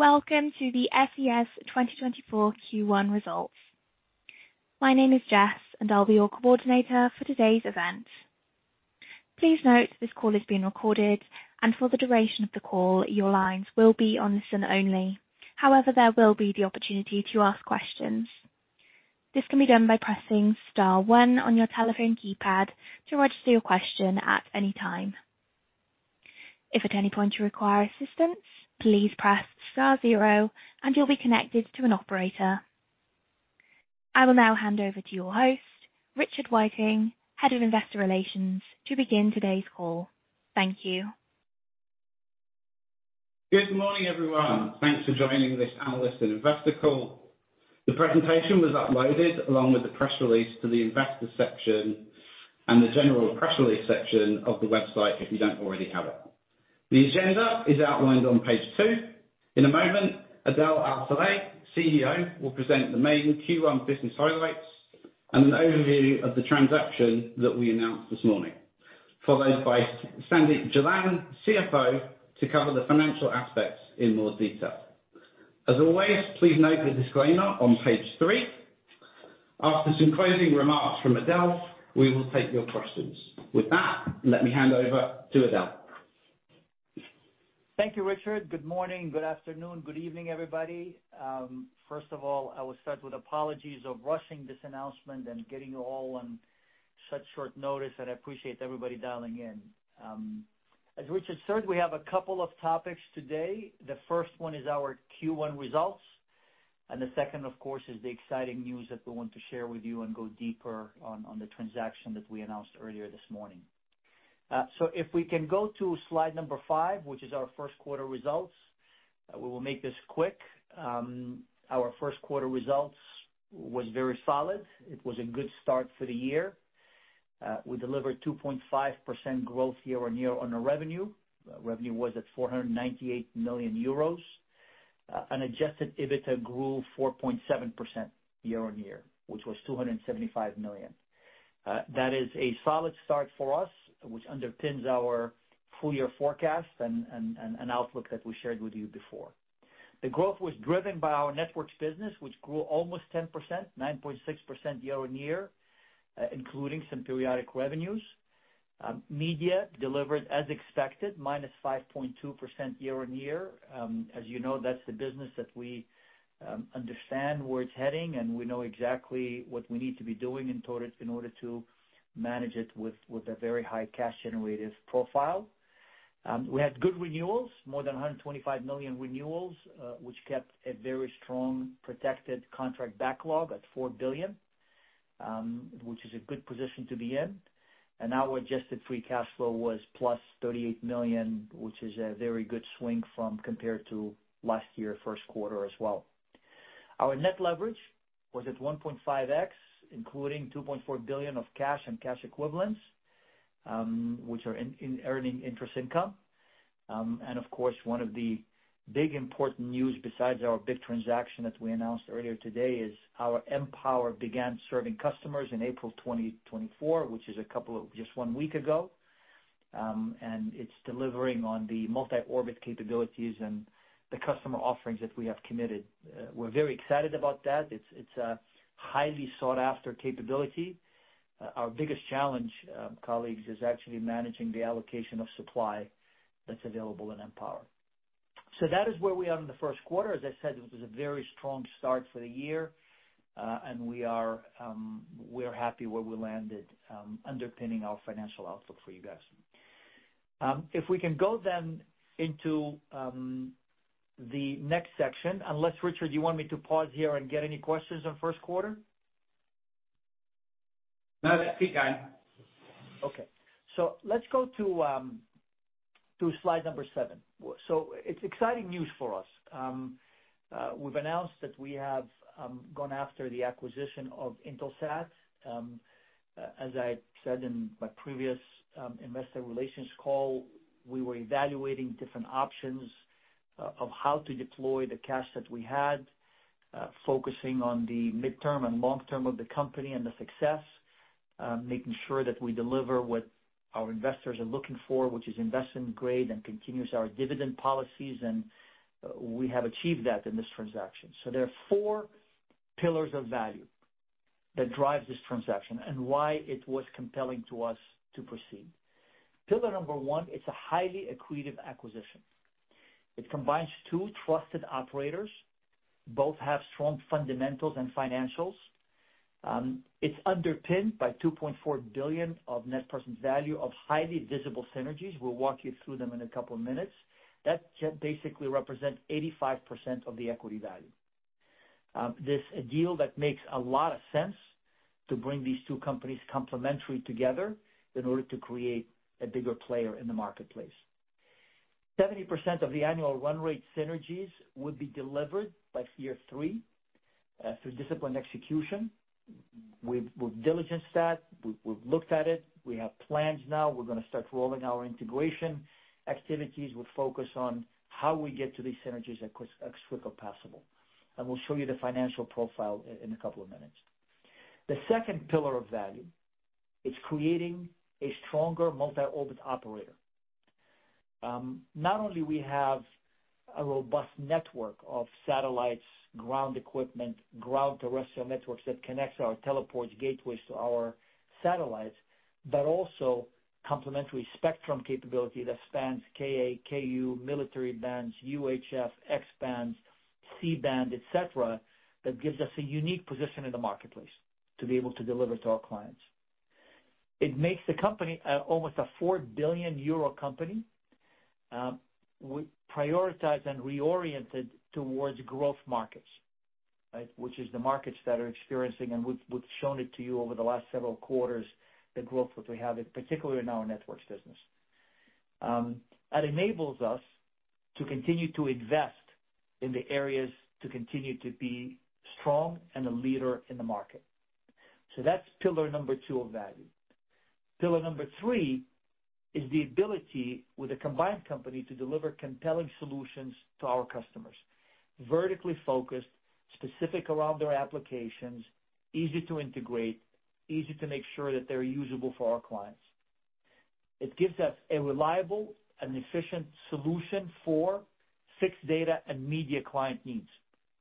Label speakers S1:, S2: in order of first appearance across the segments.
S1: Welcome to the SES 2024 Q1 results. My name is Jess, and I'll be your coordinator for today's event. Please note this call is being recorded, and for the duration of the call, your lines will be on listen only. However, there will be the opportunity to ask questions. This can be done by pressing star one on your telephone keypad to register your question at any time. If at any point you require assistance, please press star zero, and you'll be connected to an operator. I will now hand over to your host, Richard Whiteing, head of investor relations, to begin today's call. Thank you.
S2: Good morning, everyone. Thanks for joining this analyst and investor call. The presentation was uploaded along with the press release to the investor section and the general press release section of the website if you don't already have it. The agenda is outlined on page one. In a moment, Adel Al-Saleh, CEO, will present the main Q1 business highlights and an overview of the transaction that we announced this morning, followed by Sandeep Jalan, CFO, to cover the financial aspects in more detail. As always, please note the disclaimer on page three. After some closing remarks from Adel, we will take your questions. With that, let me hand over to Adel.
S3: Thank you, Richard. Good morning, good afternoon, good evening, everybody. First of all, I will start with apologies for rushing this announcement and getting you all on such short notice, and I appreciate everybody dialing in. As Richard said, we have a couple of topics today. The first one is our Q1 results, and the second, of course, is the exciting news that we want to share with you and go deeper on the transaction that we announced earlier this morning. So if we can go to slide number five, which is our first quarter results, we will make this quick, our first quarter results were very solid. It was a good start for the year. We delivered 2.5% growth year-on-year on our revenue. Revenue was at 498 million euros, and adjusted EBITDA grew 4.7% year-on-year, which was 275 million. That is a solid start for us, which underpins our full-year forecast and outlook that we shared with you before. The growth was driven by our networks business, which grew almost 10%, 9.6% year-on-year, including some periodic revenues. Media delivered as expected, minus 5.2% year-on-year. As you know, that's the business that we understand where it's heading, and we know exactly what we need to be doing in order to manage it with a very high cash-generative profile. We had good renewals, more than 125 million renewals, which kept a very strong protected contract backlog at 4 billion, which is a good position to be in. Our adjusted free cash flow was +$38 million, which is a very good swing compared to last year's first quarter as well. Our net leverage was at 1.5x, including 2.4 billion of cash and cash equivalents, which are earning interest income. Of course, one of the big important news besides our big transaction that we announced earlier today is our mPower began serving customers in April 2024, which is a couple of just one week ago. It's delivering on the multi-orbit capabilities and the customer offerings that we have committed. We're very excited about that. It's a highly sought-after capability. Our biggest challenge, colleagues, is actually managing the allocation of supply that's available in mPower. So that is where we are in the first quarter. As I said, it was a very strong start for the year, and we are happy where we landed, underpinning our financial outlook for you guys. If we can go then into the next section unless, Richard, you want me to pause here and get any questions on first quarter?
S2: No, that's fine.
S3: Okay. So let's go to slide seven. It's exciting news for us. We've announced that we have gone after the acquisition of Intelsat. As I said in my previous investor relations call, we were evaluating different options of how to deploy the cash that we had, focusing on the midterm and long-term of the company and the success, making sure that we deliver what our investors are looking for, which is investment-grade and continues our dividend policies. And we have achieved that in this transaction. There are 4 pillars of value that drive this transaction and why it was compelling to us to proceed. Pillar one, it's a highly accretive acquisition. It combines two trusted operators. Both have strong fundamentals and financials. It's underpinned by 2.4 billion of net present value of highly visible synergies. We'll walk you through them in a couple of minutes. That basically represents 85% of the equity value. This deal makes a lot of sense to bring these two companies complementary together in order to create a bigger player in the marketplace. 70% of the annual run-rate synergies would be delivered by year 3 through disciplined execution. We've diligence that. We've looked at it. We have plans now. We're going to start rolling our integration activities with focus on how we get to these synergies as quick as possible. And we'll show you the financial profile in a couple of minutes. The second pillar of value, it's creating a stronger multi-orbit operator. Not only do we have a robust network of satellites, ground equipment, ground-terrestrial networks that connects our teleports gateways to our satellites, but also complementary spectrum capability that spans Ka, Ku, military bands, UHF, X-band, C-band, etc., that gives us a unique position in the marketplace to be able to deliver to our clients. It makes the company almost a 4 billion euro company. We prioritize and reorient it towards growth markets, which is the markets that are experiencing and we've shown it to you over the last several quarters, the growth that we have, particularly in our networks business. That enables us to continue to invest in the areas to continue to be strong and a leader in the market. So that's pillar number two of value. Pillar number three is the ability with a combined company to deliver compelling solutions to our customers, vertically focused, specific around their applications, easy to integrate, easy to make sure that they're usable for our clients. It gives us a reliable and efficient solution for fixed data and media client needs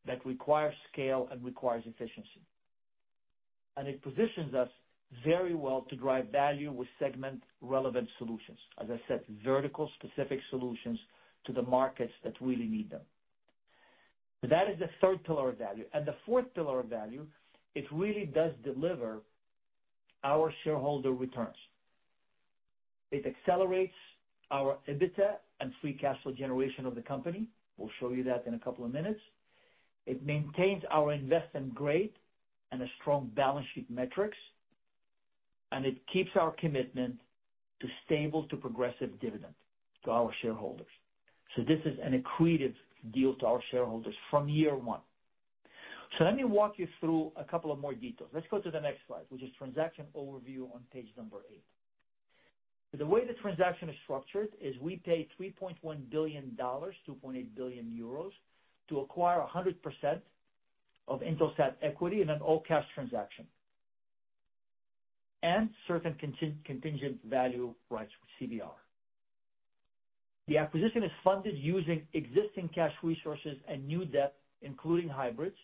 S3: that require scale and requires efficiency. It positions us very well to drive value with segment-relevant solutions, as I said, vertical-specific solutions to the markets that really need them. So that is the third pillar of value. The fourth pillar of value, it really does deliver our shareholder returns. It accelerates our EBITDA and free cash flow generation of the company. We'll show you that in a couple of minutes. It maintains our investment grade and strong balance sheet metrics, and it keeps our commitment to stable to progressive dividend to our shareholders. So this is an accretive deal to our shareholders from year one. So let me walk you through a couple of more details. Let's go to the next slide, which is transaction overview on page number eight. So the way the transaction is structured is we pay $3.1 billion, 2.8 billion euros, to acquire 100% of Intelsat equity in an all-cash transaction and certain contingent value rights, which CVR. The acquisition is funded using existing cash resources and new debt, including hybrids,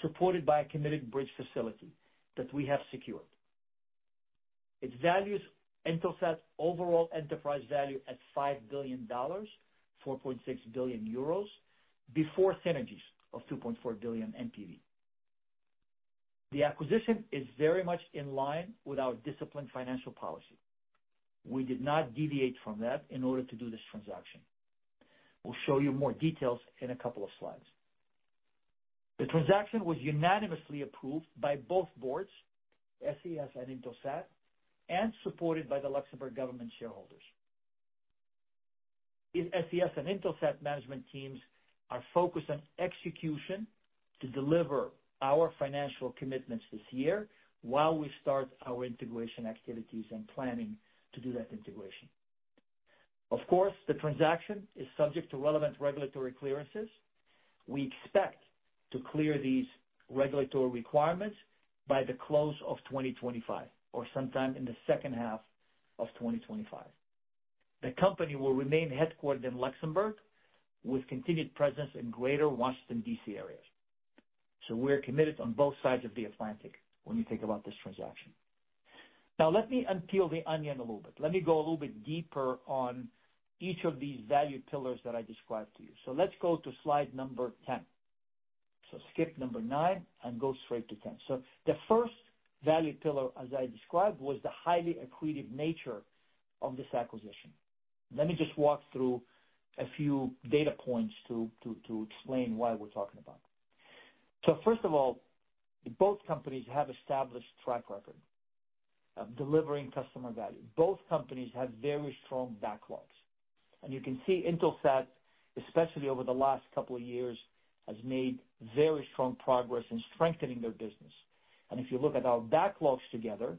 S3: supported by a committed bridge facility that we have secured. It values Intelsat overall enterprise value at $5 billion, 4.6 billion euros, before synergies of 2.4 billion NPV. The acquisition is very much in line with our disciplined financial policy. We did not deviate from that in order to do this transaction. We'll show you more details in a couple of slides. The transaction was unanimously approved by both boards, SES and Intelsat, and supported by the Luxembourg government shareholders. SES and Intelsat management teams are focused on execution to deliver our financial commitments this year while we start our integration activities and planning to do that integration. Of course, the transaction is subject to relevant regulatory clearances. We expect to clear these regulatory requirements by the close of 2025 or sometime in the second half of 2025. The company will remain headquartered in Luxembourg with continued presence in greater Washington, D.C. areas. So we're committed on both sides of the Atlantic when you think about this transaction. Now, let me unpeel the onion a little bit. Let me go a little bit deeper on each of these value pillars that I described to you. So let's go to slide number 10. So skip number nine and go straight to 10. So the first value pillar, as I described, was the highly accretive nature of this acquisition. Let me just walk through a few data points to explain why we're talking about it. First of all, both companies have established track record of delivering customer value. Both companies have very strong backlogs. And you can see Intelsat, especially over the last couple of years, has made very strong progress in strengthening their business. And if you look at our backlogs together,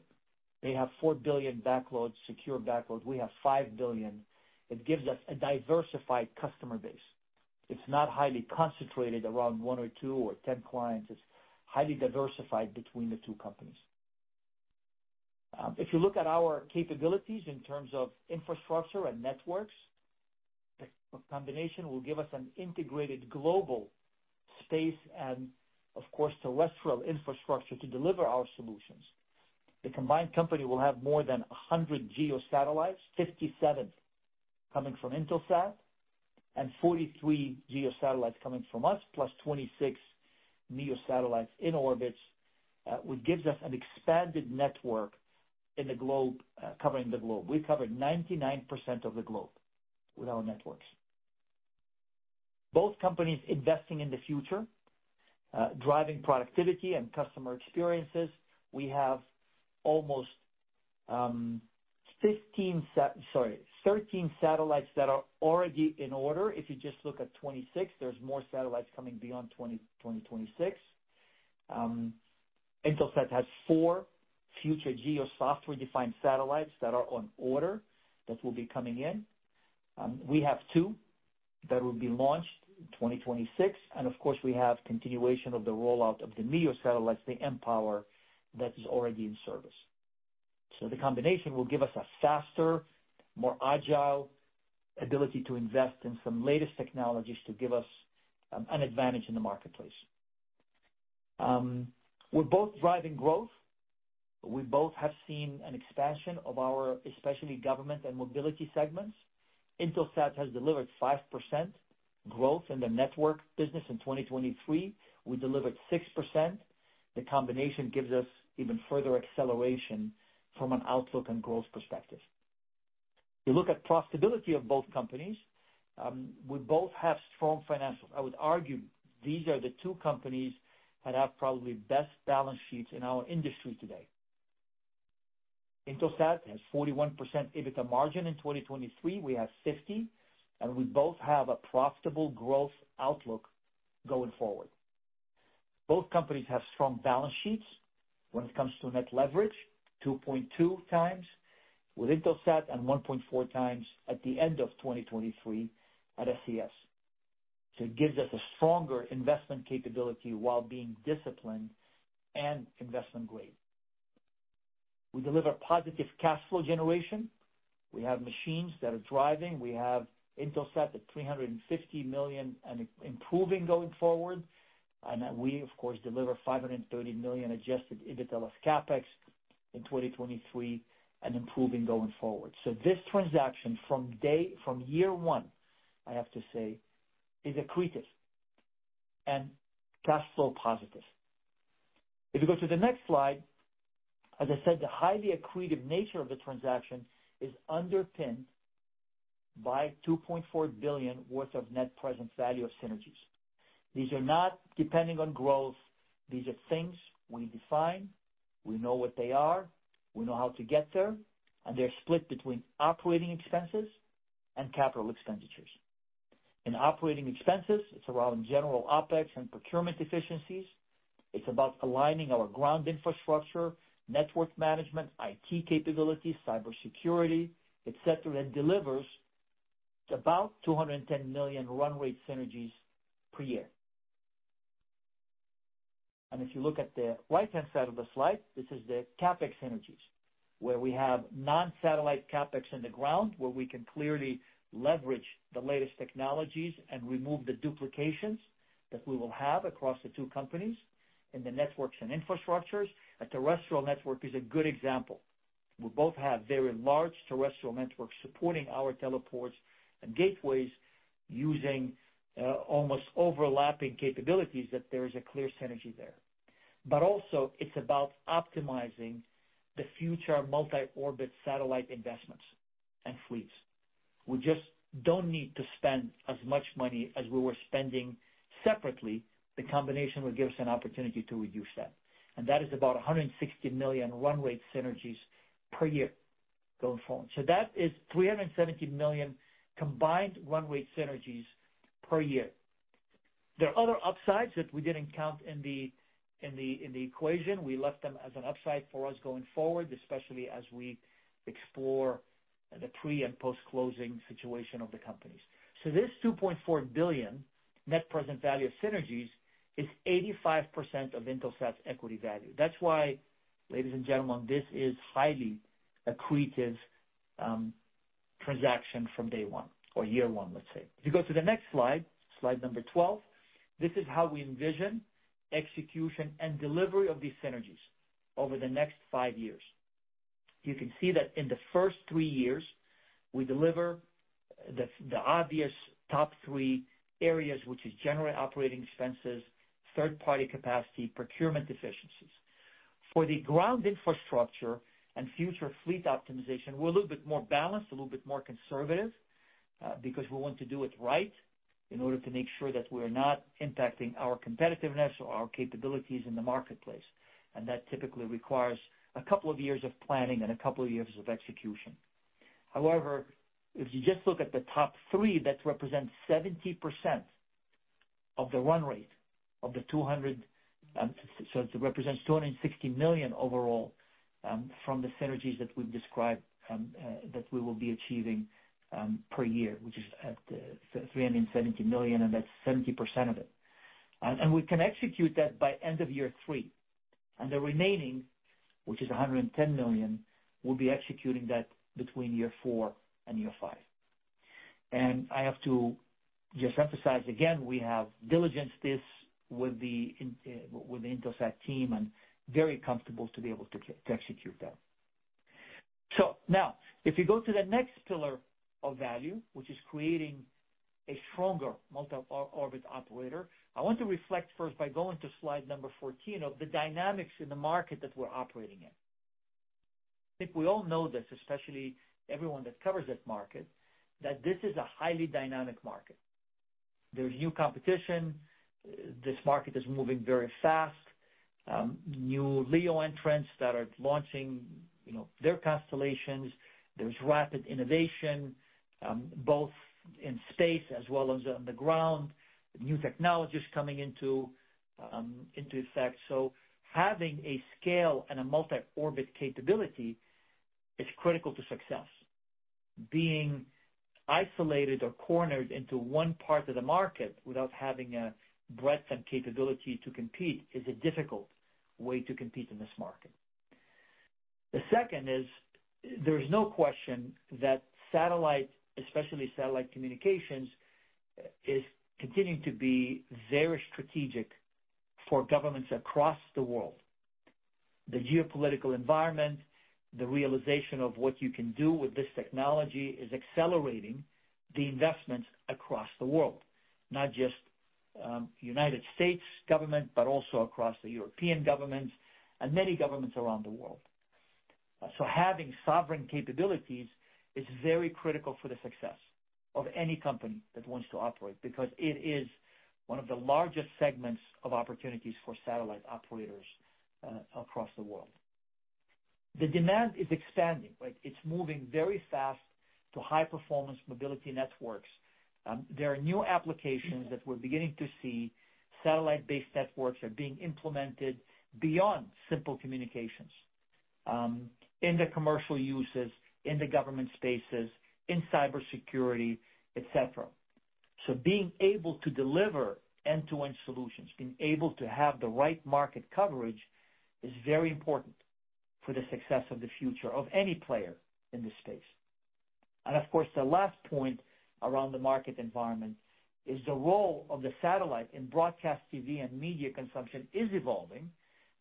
S3: they have 4 billion backlog, secure backlog. We have 5 billion. It gives us a diversified customer base. It's not highly concentrated around one or two or 10 clients. It's highly diversified between the two companies. If you look at our capabilities in terms of infrastructure and networks, the combination will give us an integrated global space and, of course, terrestrial infrastructure to deliver our solutions. The combined company will have more than 100 geosatellites, 57 coming from Intelsat and 43 geosatellites coming from us, plus 26 meosatellites in orbits, which gives us an expanded network covering the globe. We cover 99% of the globe with our networks. Both companies investing in the future, driving productivity and customer experiences. We have almost 15, sorry, 13 satellites that are already in order. If you just look at 26, there's more satellites coming beyond 2026. Intelsat has 4 future geo software-defined satellites that are on order that will be coming in. We have 2 that will be launched in 2026. And of course, we have continuation of the rollout of the meosatellites, the mPower that is already in service. So the combination will give us a faster, more agile ability to invest in some latest technologies to give us an advantage in the marketplace. We're both driving growth. We both have seen an expansion of our, especially government and mobility segments. Intelsat has delivered 5% growth in the network business in 2023. We delivered 6%. The combination gives us even further acceleration from an outlook and growth perspective. You look at profitability of both companies, we both have strong financials. I would argue these are the two companies that have probably best balance sheets in our industry today. Intelsat has 41% EBITDA margin in 2023. We have 50%. And we both have a profitable growth outlook going forward. Both companies have strong balance sheets when it comes to net leverage, 2.2x with Intelsat and 1.4x at the end of 2023 at SES. So it gives us a stronger investment capability while being disciplined and investment-grade. We deliver positive cash flow generation. We have machines that are driving. We have Intelsat at 350 million and improving going forward. We, of course, deliver 530 million adjusted EBITDA plus CapEx in 2023 and improving going forward. This transaction from year one, I have to say, is accretive and cash flow positive. If you go to the next slide, as I said, the highly accretive nature of the transaction is underpinned by 2.4 billion worth of net present value of synergies. These are not depending on growth. These are things we define. We know what they are. We know how to get there. And they're split between operating expenses and capital expenditures. In operating expenses, it's around general OpEx and procurement efficiencies. It's about aligning our ground infrastructure, network management, IT capabilities, cybersecurity, etc., that delivers about 210 million run-rate synergies per year. If you look at the right-hand side of the slide, this is the CAPEX synergies where we have non-satellite CAPEX in the ground where we can clearly leverage the latest technologies and remove the duplications that we will have across the two companies in the networks and infrastructures. A terrestrial network is a good example. We both have very large terrestrial networks supporting our teleports and gateways using almost overlapping capabilities that there is a clear synergy there. But also, it's about optimizing the future multi-orbit satellite investments and fleets. We just don't need to spend as much money as we were spending separately. The combination would give us an opportunity to reduce that. That is about 160 million run-rate synergies per year going forward. So that is 370 million combined run-rate synergies per year. There are other upsides that we didn't count in the equation. We left them as an upside for us going forward, especially as we explore the pre- and post-closing situation of the companies. So this 2.4 billion net present value of synergies is 85% of Intelsat's equity value. That's why, ladies and gentlemen, this is highly accretive transaction from day one or year one, let's say. If you go to the next slide, slide number 12, this is how we envision execution and delivery of these synergies over the next five years. You can see that in the first three years, we deliver the obvious top three areas, which is general operating expenses, third-party capacity, procurement efficiencies. For the ground infrastructure and future fleet optimization, we're a little bit more balanced, a little bit more conservative because we want to do it right in order to make sure that we're not impacting our competitiveness or our capabilities in the marketplace. That typically requires a couple of years of planning and a couple of years of execution. However, if you just look at the top three, that represents 70% of the run rate of the 200, so it represents 260 million overall from the synergies that we've described that we will be achieving per year, which is at 370 million, and that's 70% of it. And we can execute that by end of year three. And the remaining, which is 110 million, we'll be executing that between year four and year five. And I have to just emphasize again; we have diligence this with the Intelsat team and very comfortable to be able to execute that. So now, if you go to the next pillar of value, which is creating a stronger multi-orbit operator, I want to reflect first by going to slide number 14 of the dynamics in the market that we're operating in. I think we all know this, especially everyone that covers that market, that this is a highly dynamic market. There's new competition. This market is moving very fast. New LEO entrants that are launching their constellations. There's rapid innovation, both in space as well as on the ground, new technologies coming into effect. So having a scale and a multi-orbit capability is critical to success. Being isolated or cornered into one part of the market without having a breadth and capability to compete is a difficult way to compete in this market. The second is there's no question that satellite, especially satellite communications, is continuing to be very strategic for governments across the world. The geopolitical environment, the realization of what you can do with this technology is accelerating the investments across the world, not just United States government, but also across the European governments and many governments around the world. So having sovereign capabilities is very critical for the success of any company that wants to operate because it is one of the largest segments of opportunities for satellite operators across the world. The demand is expanding, right? It's moving very fast to high-performance mobility networks. There are new applications that we're beginning to see. Satellite-based networks are being implemented beyond simple communications in the commercial uses, in the government spaces, in cybersecurity, etc. So being able to deliver end-to-end solutions, being able to have the right market coverage is very important for the success of the future of any player in this space. And of course, the last point around the market environment is the role of the satellite in broadcast TV and media consumption is evolving.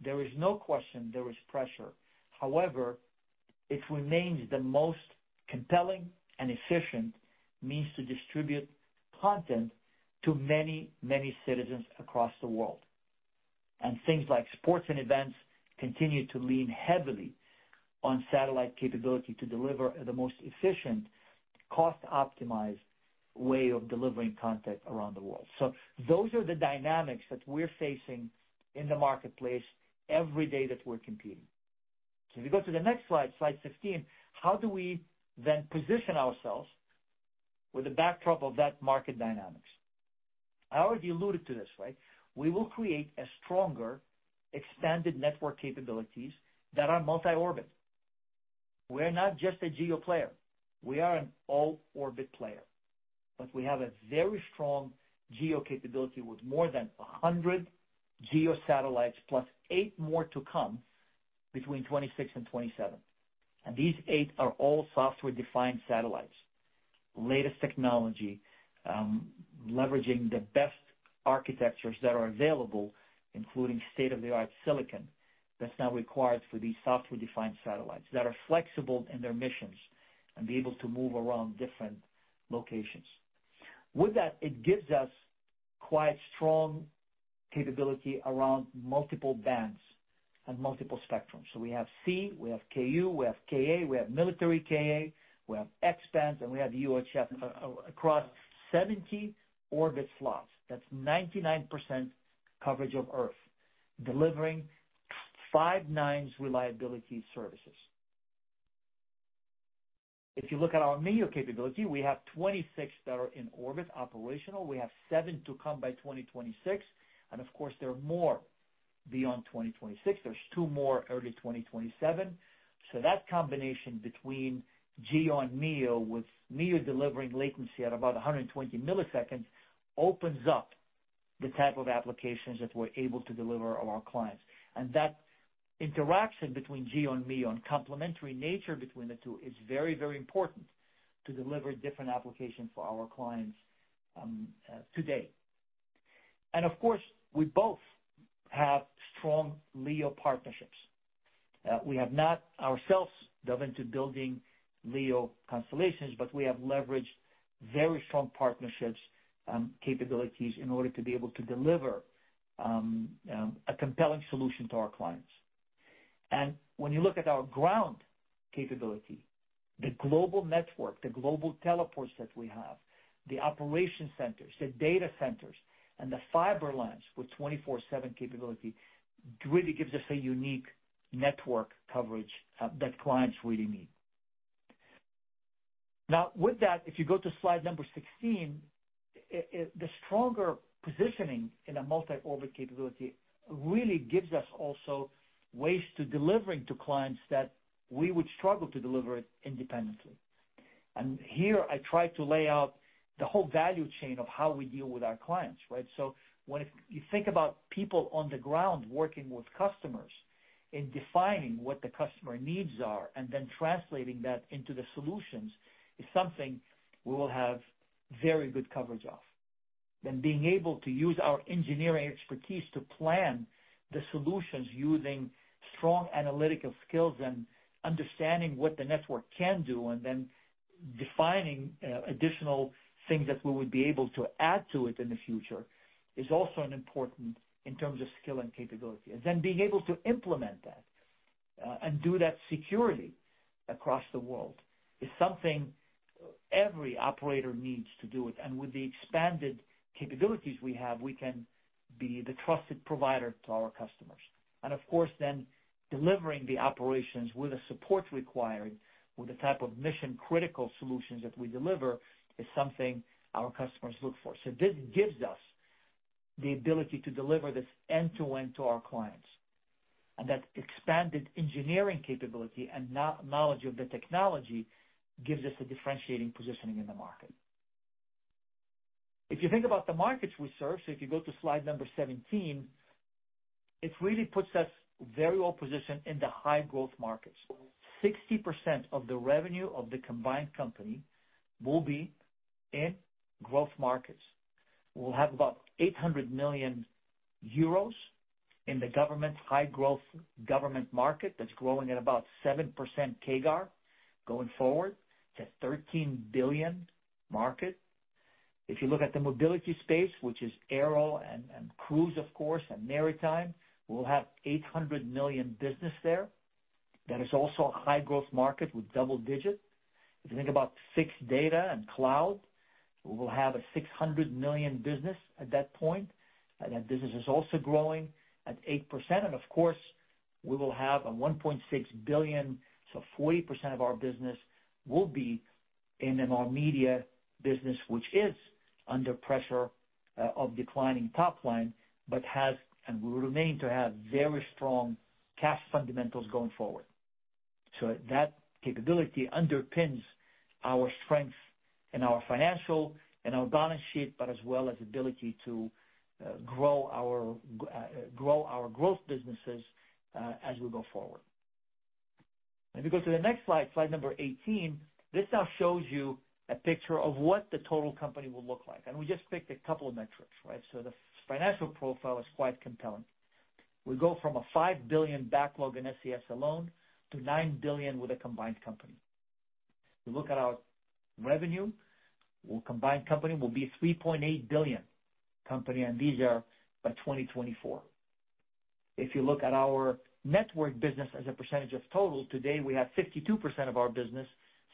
S3: There is no question there is pressure. However, it remains the most compelling and efficient means to distribute content to many, many citizens across the world. And things like sports and events continue to lean heavily on satellite capability to deliver the most efficient, cost-optimized way of delivering content around the world. So those are the dynamics that we're facing in the marketplace every day that we're competing. So if you go to the next slide, slide 15, how do we then position ourselves with the backdrop of that market dynamics? I already alluded to this, right? We will create stronger expanded network capabilities that are multi-orbit. We are not just a geo player. We are an all-orbit player. But we have a very strong geo capability with more than 100 geosatellites plus 8 more to come between 2026 and 2027. And these 8 are all software-defined satellites, latest technology, leveraging the best architectures that are available, including state-of-the-art silicon that's now required for these software-defined satellites that are flexible in their missions and be able to move around different locations. With that, it gives us quite strong capability around multiple bands and multiple spectrums. So we have C, we have KU, we have KA, we have military KA, we have X-bands, and we have UHF across 70 orbit slots. That's 99% coverage of Earth, delivering 5 nines reliability services. If you look at our MEO capability, we have 26 that are in orbit operational. We have seven to come by 2026. And of course, there are more beyond 2026. There's two more early 2027. So that combination between GEO and MEO with MEO delivering latency at about 120 milliseconds opens up the type of applications that we're able to deliver to our clients. And that interaction between GEO and MEO and complementary nature between the two is very, very important to deliver different applications for our clients today. And of course, we both have strong LEO partnerships. We have not ourselves dug into building LEO constellations, but we have leveraged very strong partnerships capabilities in order to be able to deliver a compelling solution to our clients. When you look at our ground capability, the global network, the global teleports that we have, the operation centers, the data centers, and the fiber lines with 24/7 capability really gives us a unique network coverage that clients really need. Now, with that, if you go to slide number 16, the stronger positioning in a multi-orbit capability really gives us also ways to deliver to clients that we would struggle to deliver it independently. Here, I try to lay out the whole value chain of how we deal with our clients, right? When you think about people on the ground working with customers in defining what the customer needs are and then translating that into the solutions is something we will have very good coverage of. Then being able to use our engineering expertise to plan the solutions using strong analytical skills and understanding what the network can do and then defining additional things that we would be able to add to it in the future is also important in terms of skill and capability. Being able to implement that and do that securely across the world is something every operator needs to do. With the expanded capabilities we have, we can be the trusted provider to our customers. Of course, delivering the operations with the support required with the type of mission-critical solutions that we deliver is something our customers look for. This gives us the ability to deliver this end-to-end to our clients. That expanded engineering capability and knowledge of the technology gives us a differentiating positioning in the market. If you think about the markets we serve, so if you go to slide 17, it really puts us very well positioned in the high-growth markets. 60% of the revenue of the combined company will be in growth markets. We'll have about 800 million euros in the high-growth government market that's growing at about 7% CAGR going forward to 13 billion market. If you look at the mobility space, which is aero and cruise, of course, and maritime, we'll have 800 million business there. That is also a high-growth market with double digit. If you think about fixed data and cloud, we will have a 600 million business at that point. That business is also growing at 8%. Of course, we will have 1.6 billion, so 40% of our business will be in our media business, which is under pressure of declining top line but has and will remain to have very strong cash fundamentals going forward. That capability underpins our strength in our financial and our balance sheet, but as well as ability to grow our growth businesses as we go forward. If you go to the next slide, slide 18, this now shows you a picture of what the total company will look like. We just picked a couple of metrics, right? The financial profile is quite compelling. We go from a 5 billion backlog in SES alone to 9 billion with a combined company. If you look at our revenue, our combined company will be 3.8 billion company, and these are by 2024. If you look at our network business as a percentage of total, today, we have 52% of our business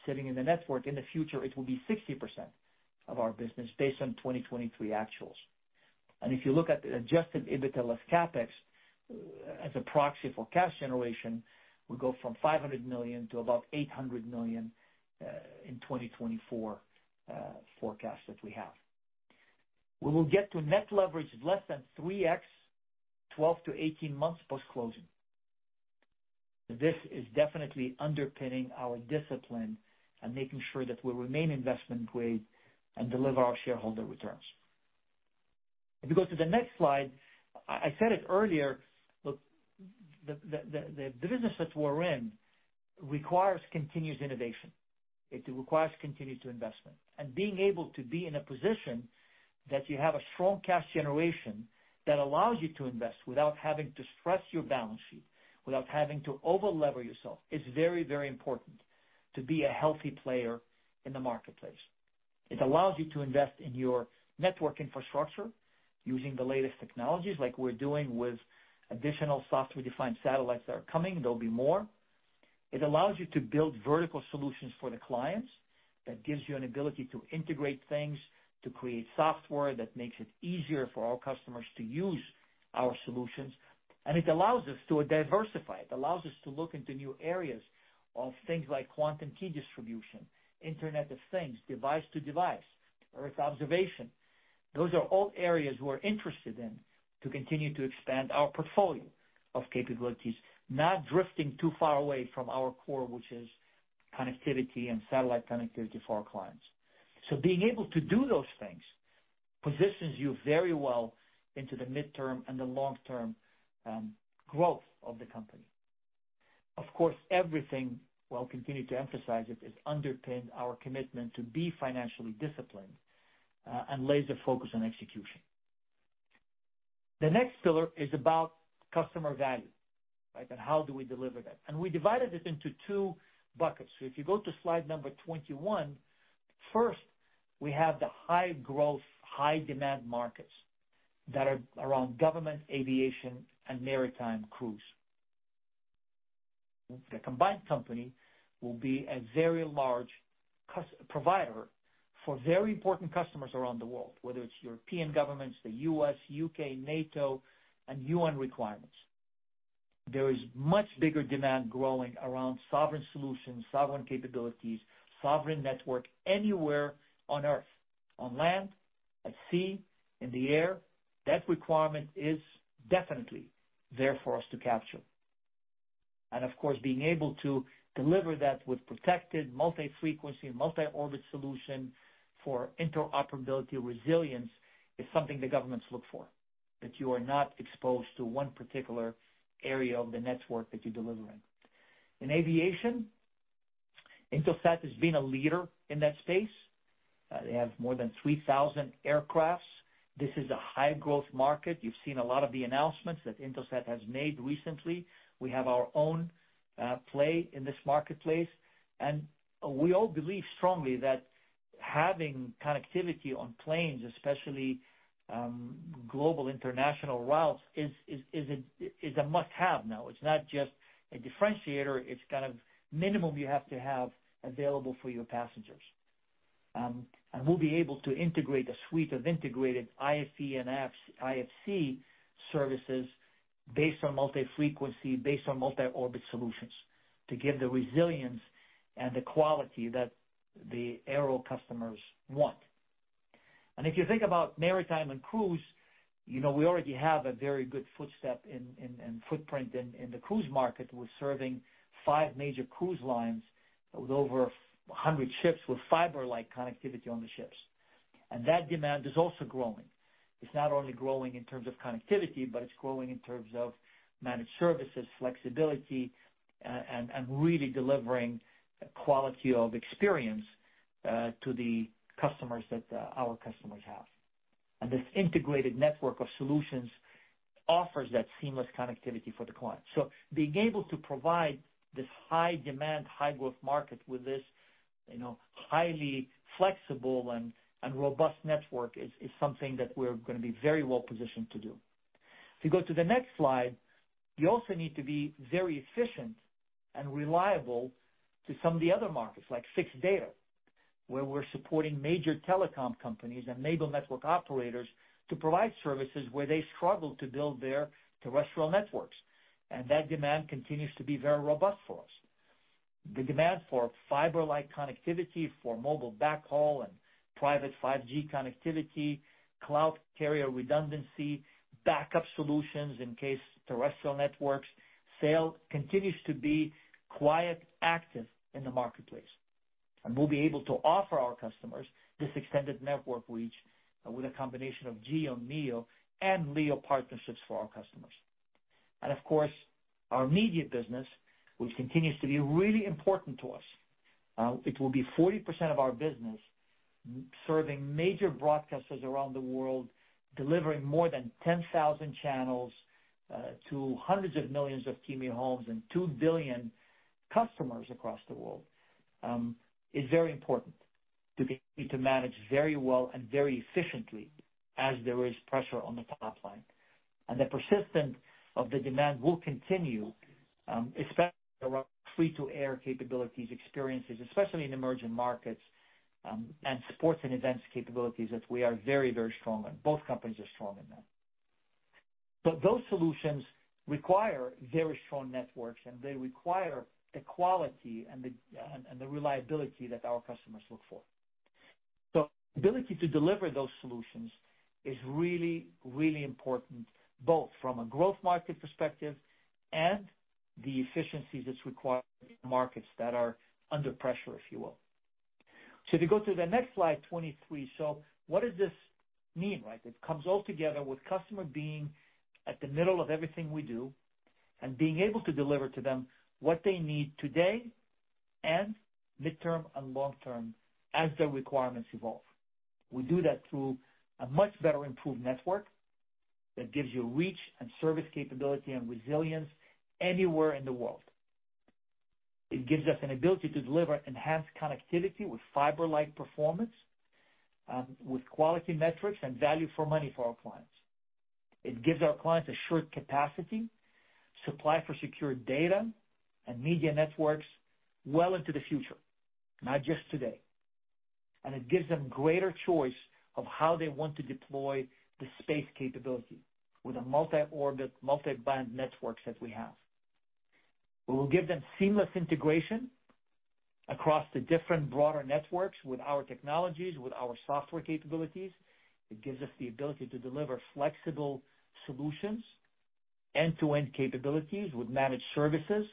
S3: sitting in the network. In the future, it will be 60% of our business based on 2023 actuals. If you look at the adjusted EBITDA plus CAPEX as a proxy for cash generation, we go from 500 million to about 800 million in 2024 forecast that we have. We will get to net leverage less than 3x 12-18 months post-closing. This is definitely underpinning our discipline and making sure that we remain investment-grade and deliver our shareholder returns. If you go to the next slide, I said it earlier. Look, the business that we're in requires continuous innovation. It requires continuous investment. Being able to be in a position that you have a strong cash generation that allows you to invest without having to stress your balance sheet, without having to over lever yourself is very, very important to be a healthy player in the marketplace. It allows you to invest in your network infrastructure using the latest technologies like we're doing with additional software-defined satellites that are coming. There'll be more. It allows you to build vertical solutions for the clients. That gives you an ability to integrate things, to create software that makes it easier for our customers to use our solutions. And it allows us to diversify. It allows us to look into new areas of things like quantum key distribution, Internet of Things, device to device, Earth observation. Those are all areas we're interested in to continue to expand our portfolio of capabilities, not drifting too far away from our core, which is connectivity and satellite connectivity for our clients. So being able to do those things positions you very well into the midterm and the long-term growth of the company. Of course, everything, well, I'll continue to emphasize it, is underpinned by our commitment to be financially disciplined and laser-focused on execution. The next pillar is about customer value, right, and how do we deliver that. We divided it into two buckets. So if you go to slide number 21, first, we have the high-growth, high-demand markets that are around government, aviation, and maritime cruise. The combined company will be a very large provider for very important customers around the world, whether it's European governments, the US, UK, NATO, and UN requirements. There is much bigger demand growing around sovereign solutions, sovereign capabilities, sovereign network anywhere on Earth, on land, at sea, in the air. That requirement is definitely there for us to capture. And of course, being able to deliver that with protected multi-frequency and multi-orbit solution for interoperability resilience is something the governments look for, that you are not exposed to one particular area of the network that you're delivering. In aviation, Intelsat has been a leader in that space. They have more than 3,000 aircraft. This is a high-growth market. You've seen a lot of the announcements that Intelsat has made recently. We have our own play in this marketplace. And we all believe strongly that having connectivity on planes, especially global international routes, is a must-have now. It's not just a differentiator. It's kind of minimum you have to have available for your passengers. We'll be able to integrate a suite of integrated IFC services based on multi-frequency, based on multi-orbit solutions to give the resilience and the quality that the aero customers want. If you think about maritime and cruise, we already have a very good foothold and footprint in the cruise market. We're serving 5 major cruise lines with over 100 ships with fiber-like connectivity on the ships. That demand is also growing. It's not only growing in terms of connectivity, but it's growing in terms of managed services, flexibility, and really delivering quality of experience to the customers that our customers have. This integrated network of solutions offers that seamless connectivity for the client. So being able to provide this high-demand, high-growth market with this highly flexible and robust network is something that we're going to be very well positioned to do. If you go to the next slide, you also need to be very efficient and reliable to some of the other markets like fixed data, where we're supporting major telecom companies and cable network operators to provide services where they struggle to build their terrestrial networks. That demand continues to be very robust for us. The demand for fiber-like connectivity for mobile backhaul and private 5G connectivity, cloud carrier redundancy, backup solutions in case terrestrial networks fail, continues to be quite active in the marketplace. We'll be able to offer our customers this extended network reach with a combination of GEO MEO and LEO partnerships for our customers. Of course, our media business, which continues to be really important to us, it will be 40% of our business serving major broadcasters around the world, delivering more than 10,000 channels to hundreds of millions of TME homes and 2 billion customers across the world. It's very important to be able to manage very well and very efficiently as there is pressure on the top line. The persistence of the demand will continue, especially around free-to-air capabilities, experiences, especially in emerging markets, and sports and events capabilities that we are very, very strong on. Both companies are strong in that. But those solutions require very strong networks, and they require the quality and the reliability that our customers look for. So the ability to deliver those solutions is really, really important both from a growth market perspective and the efficiencies that's required in markets that are under pressure, if you will. So if you go to the next slide, 23, so what does this mean, right? It comes all together with customer being at the middle of everything we do and being able to deliver to them what they need today and midterm and long-term as their requirements evolve. We do that through a much better improved network that gives you reach and service capability and resilience anywhere in the world. It gives us an ability to deliver enhanced connectivity with fiber-like performance, with quality metrics, and value for money for our clients. It gives our clients a short capacity, supply for secure data, and media networks well into the future, not just today. And it gives them greater choice of how they want to deploy the space capability with the multi-orbit, multi-band networks that we have. We will give them seamless integration across the different broader networks with our technologies, with our software capabilities. It gives us the ability to deliver flexible solutions, end-to-end capabilities with managed services,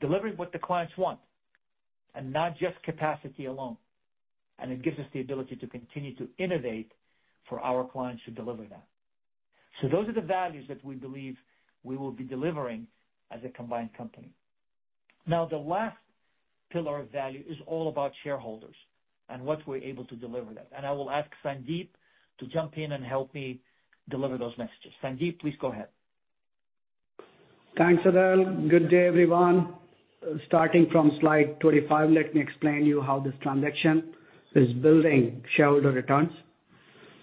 S3: delivering what the clients want and not just capacity alone. And it gives us the ability to continue to innovate for our clients to deliver that. So those are the values that we believe we will be delivering as a combined company. Now, the last pillar of value is all about shareholders and what we're able to deliver that. And I will ask Sandeep to jump in and help me deliver those messages. Sandeep, please go ahead.
S4: Thanks, Adel. Good day, everyone. Starting from slide 25, let me explain to you how this transaction is building shareholder returns.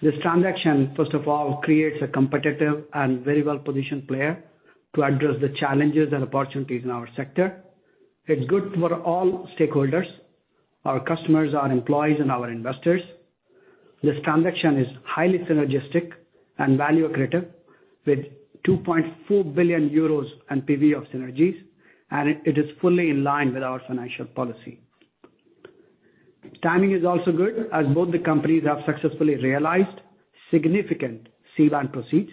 S4: This transaction, first of all, creates a competitive and very well-positioned player to address the challenges and opportunities in our sector. It's good for all stakeholders. Our customers are employees and our investors. This transaction is highly synergistic and value-creative with 2.4 billion euros NPV of synergies, and it is fully in line with our financial policy. Timing is also good as both the companies have successfully realized significant C-band proceeds,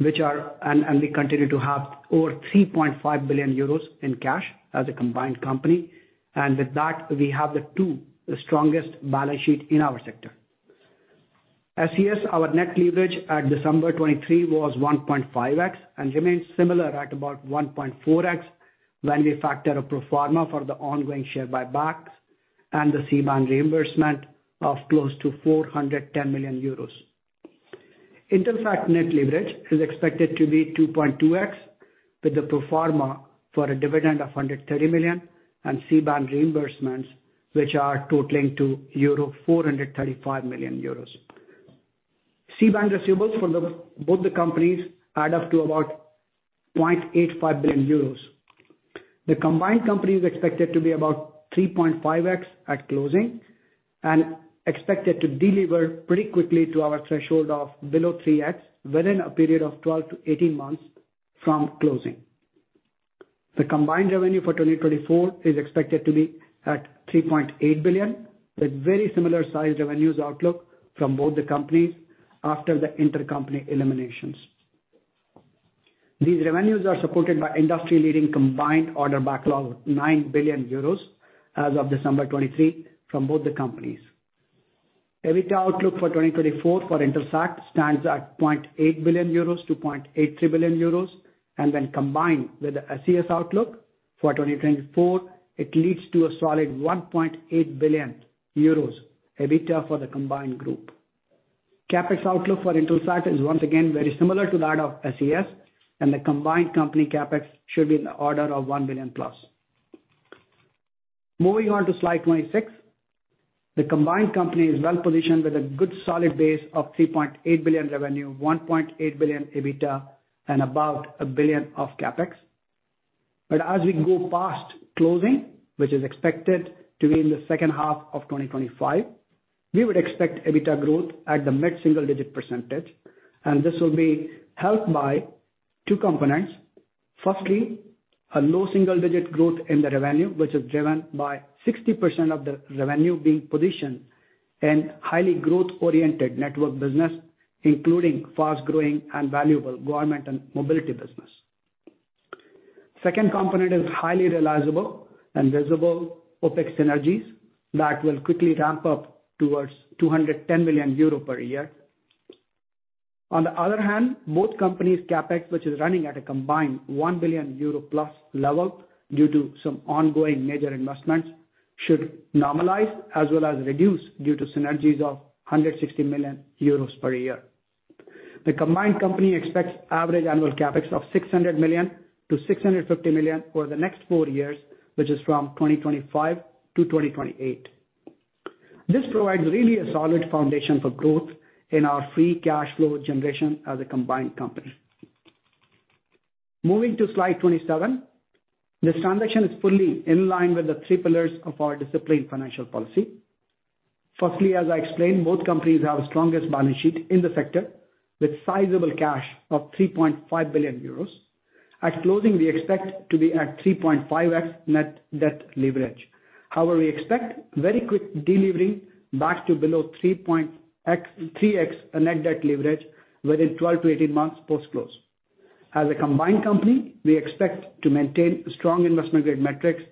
S4: and we continue to have over 3.5 billion euros in cash as a combined company. With that, we have the two strongest balance sheets in our sector. SES, our net leverage at December 2023 was 1.5x and remains similar at about 1.4x when we factor a pro forma for the ongoing share buybacks and the C-band reimbursement of close to 410 million euros. Intelsat net leverage is expected to be 2.2x with the pro forma for a dividend of 130 million and C-band reimbursements, which are totaling to 435 million euros. C-band receivables for both the companies add up to about 0.85 billion euros. The combined company is expected to be about 3.5x at closing and expected to deliver pretty quickly to our threshold of below 3x within a period of 12-18 months from closing. The combined revenue for 2024 is expected to be at 3.8 billion with very similar size revenues outlook from both the companies after the intercompany eliminations. These revenues are supported by industry-leading combined order backlog of 9 billion euros as of December 2023 from both the companies. EBITDA outlook for 2024 for Intelsat stands at 0.8 billion-0.83 billion euros. And when combined with the SES outlook for 2024, it leads to a solid 1.8 billion euros EBITDA for the combined group. CAPEX outlook for Intelsat is once again very similar to that of SES, and the combined company CAPEX should be in the order of 1 billion+. Moving on to slide 26, the combined company is well-positioned with a good solid base of 3.8 billion revenue, 1.8 billion EBITDA, and about 1 billion of CAPEX. But as we go past closing, which is expected to be in the second half of 2025, we would expect EBITDA growth at the mid-single-digit %. And this will be helped by two components. Firstly, a low single-digit growth in the revenue, which is driven by 60% of the revenue being positioned in highly growth-oriented network business, including fast-growing and valuable government and mobility business. Second component is highly realizable and visible OPEX synergies that will quickly ramp up towards 210 million euro per year. On the other hand, both companies' CAPEX, which is running at a combined 1 billion euro plus level due to some ongoing major investments, should normalize as well as reduce due to synergies of 160 million euros per year. The combined company expects average annual CAPEX of 600 million-650 million over the next four years, which is from 2025 to 2028. This provides really a solid foundation for growth in our free cash flow generation as a combined company. Moving to slide 27, this transaction is fully in line with the three pillars of our disciplined financial policy. Firstly, as I explained, both companies have the strongest balance sheet in the sector with sizable cash of 3.5 billion euros. At closing, we expect to be at 3.5X net debt leverage. However, we expect very quick delivering back to below 3X net debt leverage within 12 to 18 months post-close. As a combined company, we expect to maintain strong investment-grade metrics.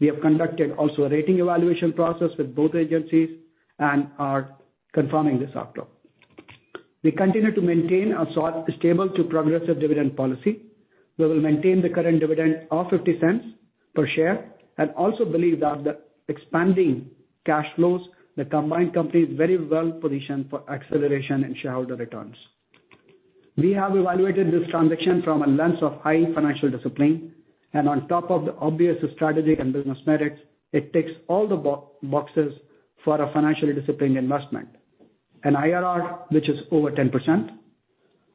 S4: We have conducted also a rating evaluation process with both agencies and are confirming this outlook. We continue to maintain a stable-to-progressive dividend policy. We will maintain the current dividend of 0.50 per share and also believe that the expanding cash flows, the combined company is very well positioned for acceleration in shareholder returns. We have evaluated this transaction from a lens of high financial discipline. On top of the obvious strategy and business merits, it ticks all the boxes for a financially disciplined investment: an IRR, which is over 10%.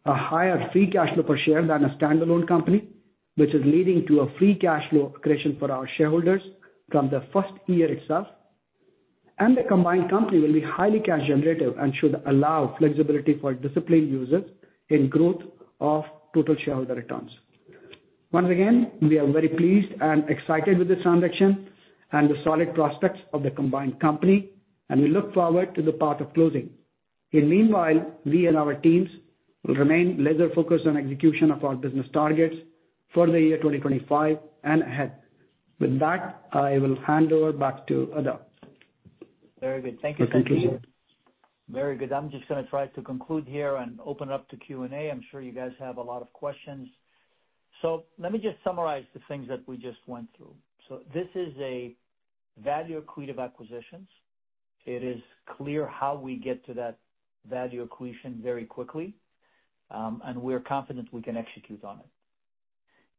S4: A higher free cash flow per share than a standalone company, which is leading to a free cash flow accretion for our shareholders from the first year itself. And the combined company will be highly cash-generative and should allow flexibility for disciplined users in growth of total shareholder returns. Once again, we are very pleased and excited with this transaction and the solid prospects of the combined company. We look forward to the part of closing. In the meanwhile, we and our teams will remain laser-focused on execution of our business targets for the year 2025 and ahead. With that, I will hand over back to Adel.
S3: Very good. Thank you, Sandeep. Very good. I'm just going to try to conclude here and open up to Q&A. I'm sure you guys have a lot of questions. So let me just summarize the things that we just went through. So this is a value accretive acquisitions. It is clear how we get to that value accretion very quickly, and we're confident we can execute on it.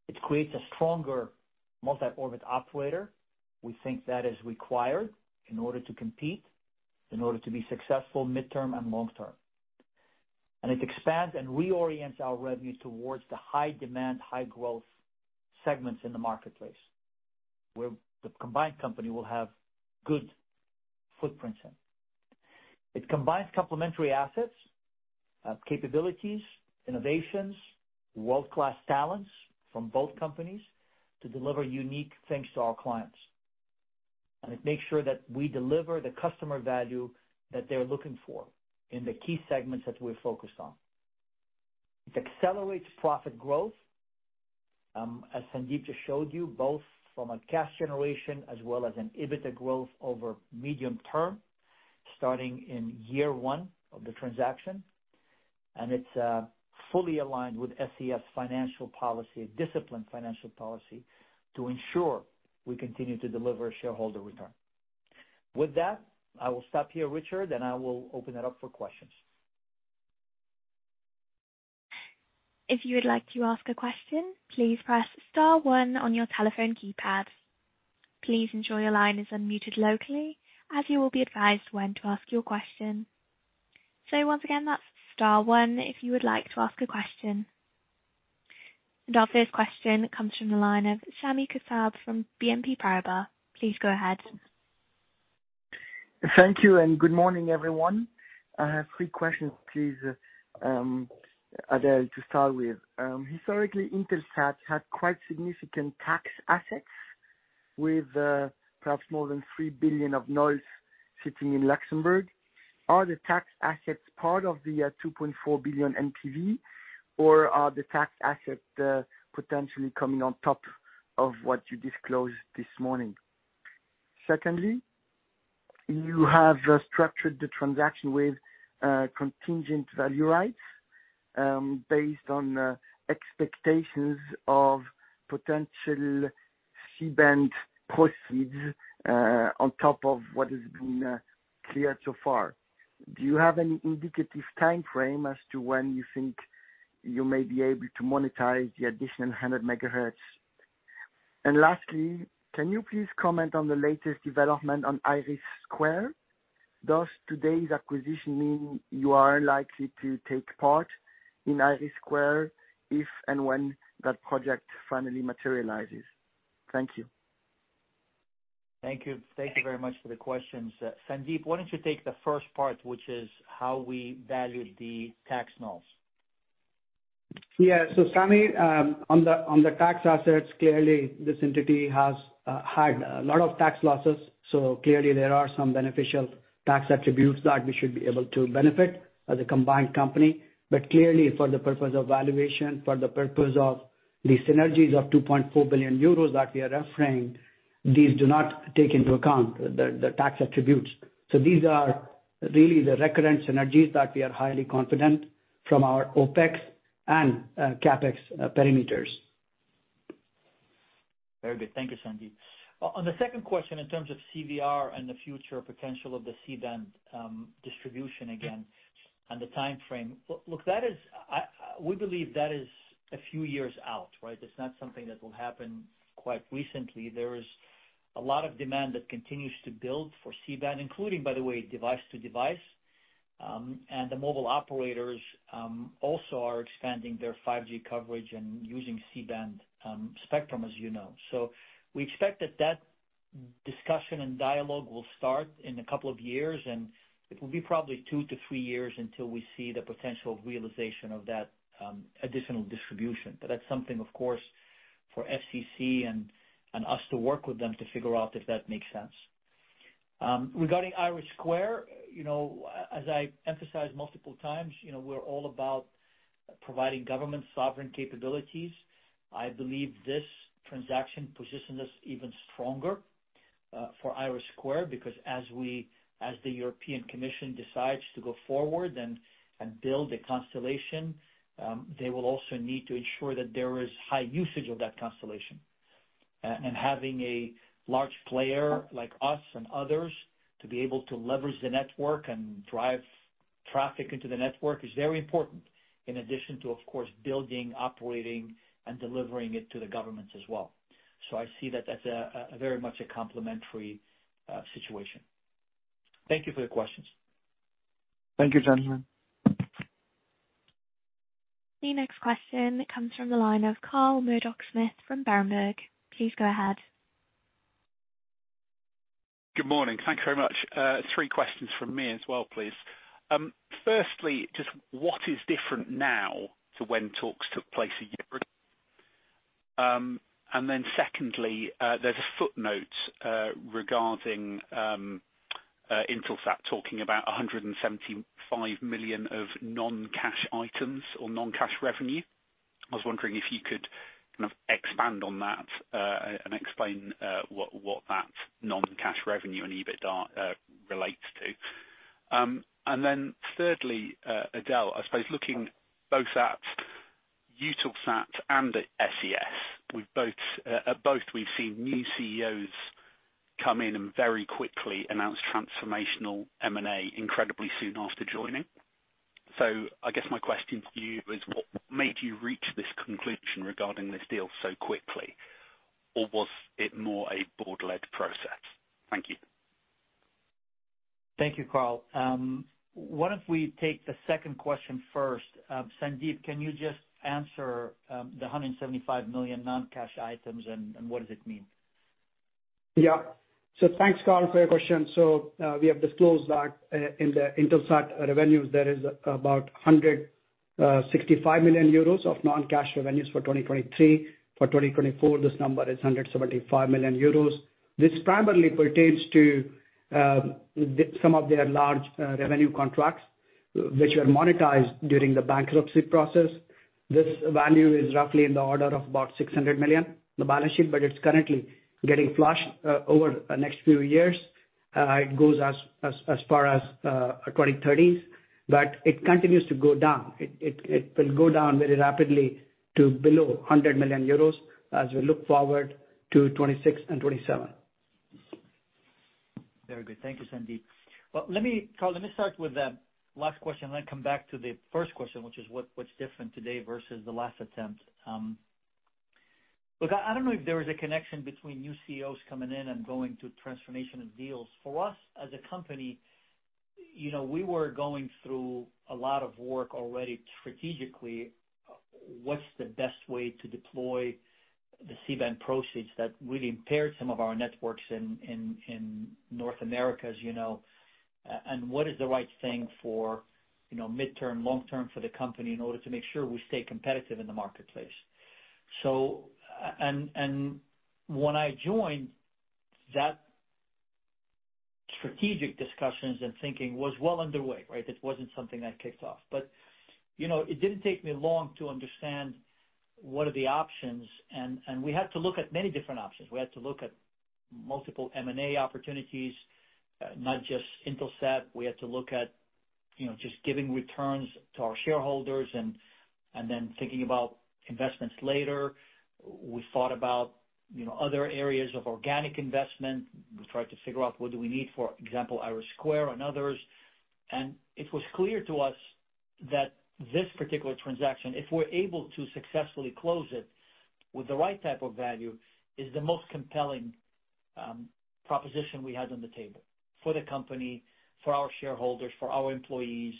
S3: It creates a stronger multi-orbit operator. We think that is required in order to compete, in order to be successful midterm and long-term. And it expands and reorients our revenue towards the high-demand, high-growth segments in the marketplace where the combined company will have good footprints in. It combines complementary assets, capabilities, innovations, world-class talents from both companies to deliver unique things to our clients. And it makes sure that we deliver the customer value that they're looking for in the key segments that we're focused on. It accelerates profit growth, as Sandeep just showed you, both from a cash generation as well as an EBITDA growth over medium term starting in year one of the transaction. It's fully aligned with SES financial policy, disciplined financial policy, to ensure we continue to deliver a shareholder return. With that, I will stop here, Richard, and I will open it up for questions.
S1: If you would like to ask a question, please press star one on your telephone keypad. Please ensure your line is unmuted locally as you will be advised when to ask your question. Once again, that's star one if you would like to ask a question. Our first question comes from the line of Sami Kassab from BNP Paribas. Please go ahead. Thank you. Good morning, everyone. I have three questions, please, Adel, to start with.
S5: Historically, Intelsat had quite significant tax assets with perhaps more than $3 billion of NOLs sitting in Luxembourg. Are the tax assets part of the 2.4 billion NPV, or are the tax assets potentially coming on top of what you disclosed this morning? Secondly, you have structured the transaction with contingent value rights based on expectations of potential C-band proceeds on top of what has been cleared so far. Do you have any indicative time frame as to when you think you may be able to monetize the additional 100 megahertz? And lastly, can you please comment on the latest development on IRIS²? Does today's acquisition mean you are likely to take part in IRIS² if and when that project finally materializes? Thank you.
S3: Thank you. Thank you very much for the questions. Sandeep, why don't you take the first part, which is how we value the tax NOLs?
S4: Yeah. So Sami, on the tax assets, clearly, this entity has had a lot of tax losses. So clearly, there are some beneficial tax attributes that we should be able to benefit as a combined company. But clearly, for the purpose of valuation, for the purpose of the synergies of 2.4 billion euros that we are referring, these do not take into account the tax attributes. So these are really the recurrent synergies that we are highly confident from our OPEX and CAPEX parameters.
S3: Very good. Thank you, Sandeep. On the second question, in terms of CVR and the future potential of the C-band distribution again and the time frame, look, we believe that is a few years out, right? It's not something that will happen quite recently. There is a lot of demand that continues to build for C-band, including, by the way, device-to-device. The mobile operators also are expanding their 5G coverage and using C-band spectrum, as you know. We expect that that discussion and dialogue will start in a couple of years. It will be probably 2-3 years until we see the potential realization of that additional distribution. But that's something, of course, for FCC and us to work with them to figure out if that makes sense. Regarding IRIS², as I emphasized multiple times, we're all about providing government sovereign capabilities. I believe this transaction positions us even stronger for IRIS² because as the European Commission decides to go forward and build a constellation, they will also need to ensure that there is high usage of that constellation. And having a large player like us and others to be able to leverage the network and drive traffic into the network is very important in addition to, of course, building, operating, and delivering it to the governments as well. So I see that as very much a complementary situation. Thank you for the questions.
S5: Thank you, gentlemen.
S1: The next question comes from the line of Carl Murdock-Smith from Berenberg. Please go ahead.
S6: Good morning. Thanks very much. Three questions from me as well, please. Firstly, just what is different now to when talks took place a year ago? And then secondly, there's a footnote regarding Intelsat talking about $175 million of non-cash items or non-cash revenue. I was wondering if you could kind of expand on that and explain what that non-cash revenue and EBITDA relates to. Then thirdly, Adel, I suppose looking both at Intelsat and at SES, at both, we've seen new CEOs come in and very quickly announce transformational M&A incredibly soon after joining. So I guess my question to you is, what made you reach this conclusion regarding this deal so quickly? Or was it more a board-led process? Thank you.
S3: Thank you, Carl. What if we take the second question first? Sandeep, can you just answer the 175 million non-cash items, and what does it mean?
S4: Yeah. So thanks, Carl, for your question. So we have disclosed that in the Intelsat revenues, there is about 165 million euros of non-cash revenues for 2023. For 2024, this number is 175 million euros. This primarily pertains to some of their large revenue contracts, which were monetized during the bankruptcy process. This value is roughly in the order of about 600 million on the balance sheet, but it's currently getting flushed over the next few years. It goes as far as 2030s. But it continues to go down. It will go down very rapidly to below 100 million euros as we look forward to 2026 and 2027.
S3: Very good. Thank you, Sandeep. Well, Carl, let me start with the last question, and then come back to the first question, which is what's different today versus the last attempt. Look, I don't know if there is a connection between new CEOs coming in and going to transformation of deals. For us as a company, we were going through a lot of work already strategically. What's the best way to deploy the C-band proceeds that really impaired some of our networks in North America, as you know? What is the right thing for midterm, long-term for the company in order to make sure we stay competitive in the marketplace? When I joined, that strategic discussions and thinking was well underway, right? It wasn't something that kicked off. But it didn't take me long to understand what are the options. We had to look at many different options. We had to look at multiple M&A opportunities, not just Intelsat. We had to look at just giving returns to our shareholders and then thinking about investments later. We thought about other areas of organic investment. We tried to figure out what do we need for, for example, IRIS² and others. It was clear to us that this particular transaction, if we're able to successfully close it with the right type of value, is the most compelling proposition we had on the table for the company, for our shareholders, for our employees,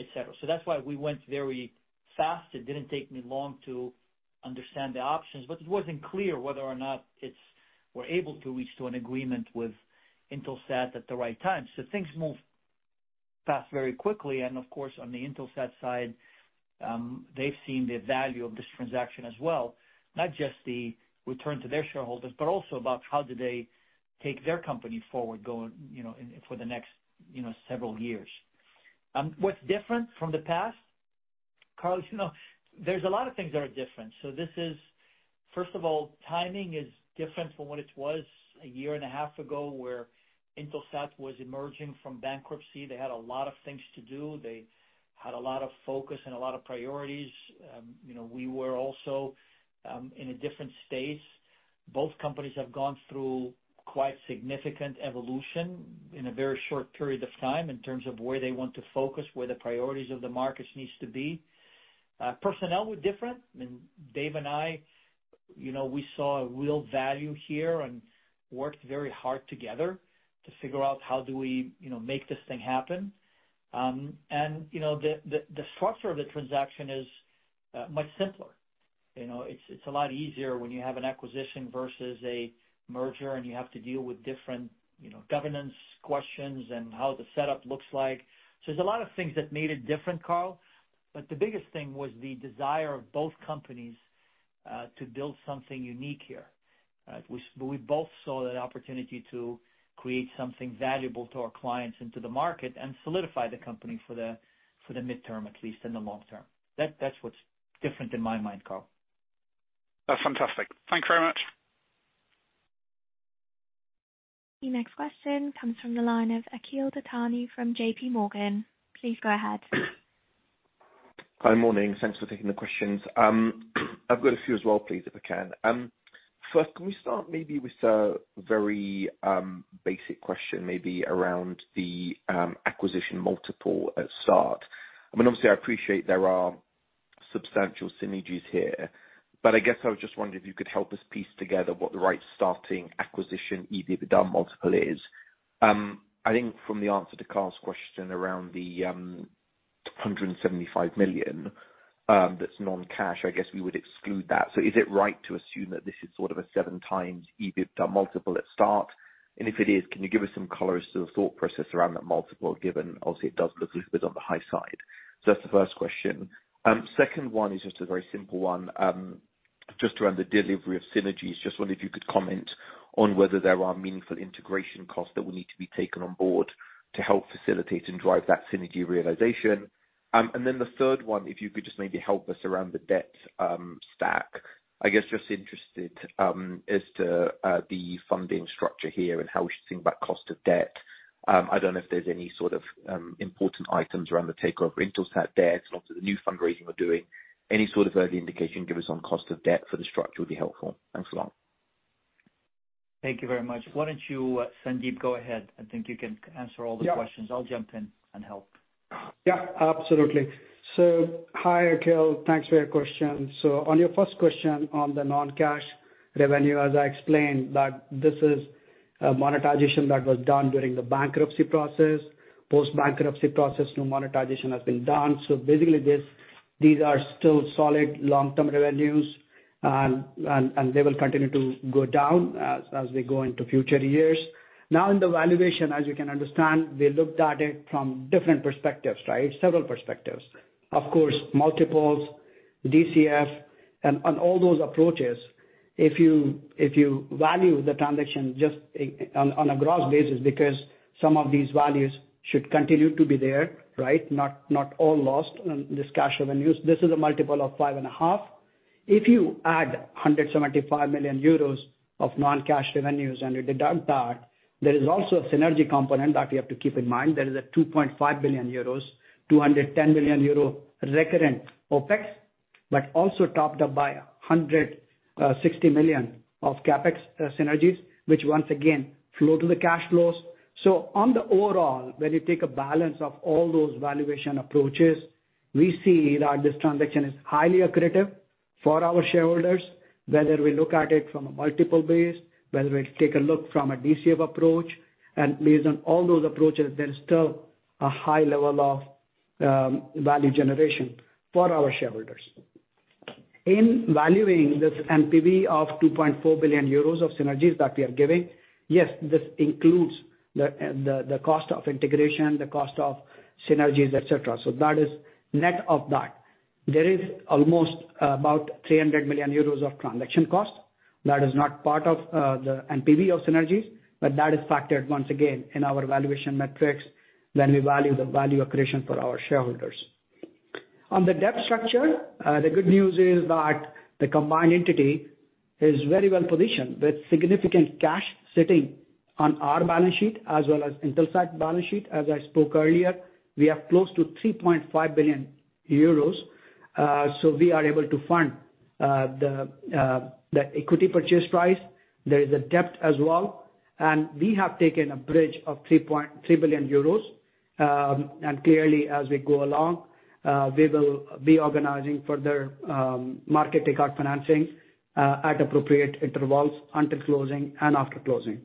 S3: etc. So that's why we went very fast. It didn't take me long to understand the options. But it wasn't clear whether or not we're able to reach an agreement with Intelsat at the right time. So things moved fast very quickly. And of course, on the Intelsat side, they've seen the value of this transaction as well, not just the return to their shareholders, but also about how do they take their company forward for the next several years. What's different from the past? Carl, there's a lot of things that are different. First of all, timing is different from what it was a year and a half ago where Intelsat was emerging from bankruptcy. They had a lot of things to do. They had a lot of focus and a lot of priorities. We were also in a different state. Both companies have gone through quite significant evolution in a very short period of time in terms of where they want to focus, where the priorities of the markets need to be. Personnel were different. I mean, Dave and I, we saw real value here and worked very hard together to figure out how do we make this thing happen. The structure of the transaction is much simpler. It's a lot easier when you have an acquisition versus a merger, and you have to deal with different governance questions and how the setup looks like. So there's a lot of things that made it different, Carl. But the biggest thing was the desire of both companies to build something unique here. We both saw that opportunity to create something valuable to our clients and to the market and solidify the company for the midterm, at least in the long term. That's what's different in my mind, Carl.
S6: That's fantastic. Thanks very much.
S1: The next question comes from the line of Akhil Dattani from JP Morgan. Please go ahead.
S7: Hi, morning. Thanks for taking the questions. I've got a few as well, please, if I can. First, can we start maybe with a very basic question, maybe around the acquisition multiple Intelsat? I mean, obviously, I appreciate there are substantial synergies here. But I guess I was just wondering if you could help us piece together what the right starting acquisition EBITDA multiple is. I think from the answer to Carl's question around the $175 million that's non-cash, I guess we would exclude that. So is it right to assume that this is sort of a 7x EBITDA multiple at start? And if it is, can you give us some color on the thought process around that multiple, given obviously, it does look a little bit on the high side? So that's the first question. Second one is just a very simple one just around the delivery of synergies. Just wondered if you could comment on whether there are meaningful integration costs that will need to be taken on board to help facilitate and drive that synergy realization. And then the third one, if you could just maybe help us around the debt stack. I guess just interested as to the funding structure here and how we should think about cost of debt. I don't know if there's any sort of important items around the takeover of Intelsat debt, not the new fundraising we're doing. Any sort of early indication give us on cost of debt for the structure would be helpful. Thanks a lot.
S3: Thank you very much. Why don't you, Sandeep, go ahead? I think you can answer all the questions. I'll jump in and help.
S4: Yeah. Absolutely. So hi, Akhil. Thanks for your question. So on your first question on the non-cash revenue, as I explained, this is monetization that was done during the bankruptcy process. Post-bankruptcy process, no monetization has been done. So basically, these are still solid long-term revenues, and they will continue to go down as we go into future years. Now, in the valuation, as you can understand, we looked at it from different perspectives, right? Several perspectives. Of course, multiples, DCF, and all those approaches. If you value the transaction just on a gross basis because some of these values should continue to be there, right, not all lost in this cash revenues, this is a multiple of 5.5x. If you add 175 million euros of non-cash revenues and you deduct that, there is also a synergy component that we have to keep in mind. There is a 2.5 billion euros, 210 million euro recurrent OPEX, but also topped up by 160 million of CAPEX synergies, which once again flow to the cash flows. So on the overall, when you take a balance of all those valuation approaches, we see that this transaction is highly accretive for our shareholders, whether we look at it from a multiple base, whether we take a look from a DCF approach. Based on all those approaches, there's still a high level of value generation for our shareholders. In valuing this NPV of 2.4 billion euros of synergies that we are giving, yes, this includes the cost of integration, the cost of synergies, etc. That is net of that. There is almost about 300 million euros of transaction cost that is not part of the NPV of synergies, but that is factored once again in our valuation metrics when we value the value accretion for our shareholders. On the debt structure, the good news is that the combined entity is very well positioned with significant cash sitting on our balance sheet as well as Intelsat balance sheet. As I spoke earlier, we have close to 3.5 billion euros. We are able to fund the equity purchase price. There is a debt as well. We have taken a bridge of 3 billion euros. Clearly, as we go along, we will be organizing further market takeout financing at appropriate intervals until closing and after closing.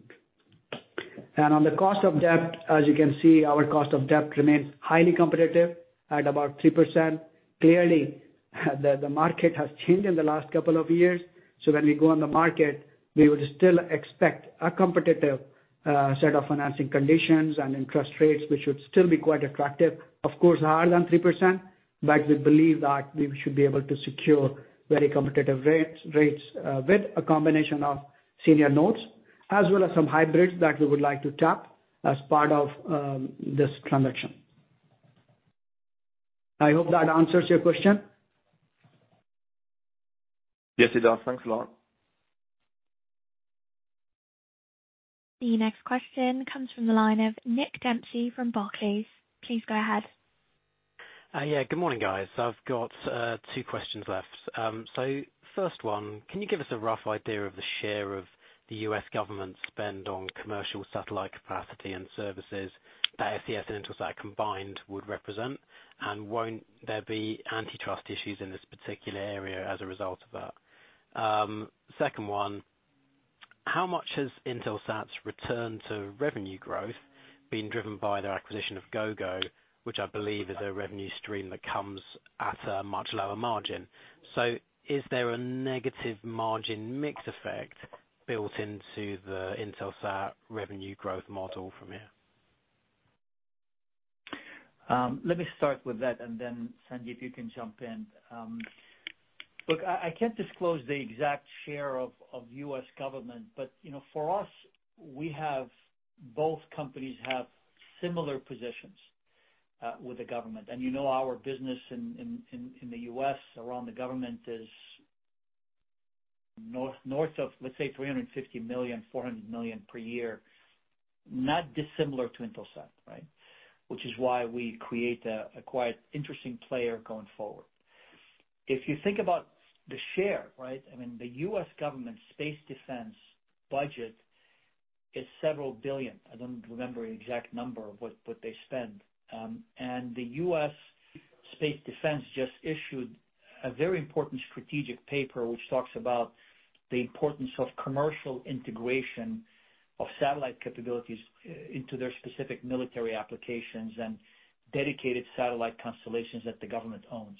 S4: On the cost of debt, as you can see, our cost of debt remains highly competitive at about 3%. Clearly, the market has changed in the last couple of years. When we go on the market, we would still expect a competitive set of financing conditions and interest rates, which would still be quite attractive, of course, higher than 3%. But we believe that we should be able to secure very competitive rates with a combination of senior notes as well as some hybrids that we would like to tap as part of this transaction. I hope that answers your question.
S7: Yes, it does. Thanks a lot.
S1: The next question comes from the line of Nick Dempsey from Barclays. Please go ahead.
S8: Yeah. Good morning, guys. I've got two questions left. So first one, can you give us a rough idea of the share of the U.S. government spend on commercial satellite capacity and services that SES and Intelsat combined would represent? And won't there be antitrust issues in this particular area as a result of that? Second one, how much has Intelsat's return to revenue growth been driven by their acquisition of Gogo, which I believe is a revenue stream that comes at a much lower margin? So is there a negative margin mix effect built into the Intelsat revenue growth model from here?
S3: Let me start with that, and then, Sandeep, you can jump in. Look, I can't disclose the exact share of U.S. government. But for us, both companies have similar positions with the government. And our business in the U.S. around the government is north of, let's say, $350 million-$400 million per year, not dissimilar to Intelsat, right, which is why we create a quite interesting player going forward. If you think about the share, right, I mean, the U.S. government space defense budget is several billion. I don't remember the exact number of what they spend. And the U.S. space defense just issued a very important strategic paper, which talks about the importance of commercial integration of satellite capabilities into their specific military applications and dedicated satellite constellations that the government owns.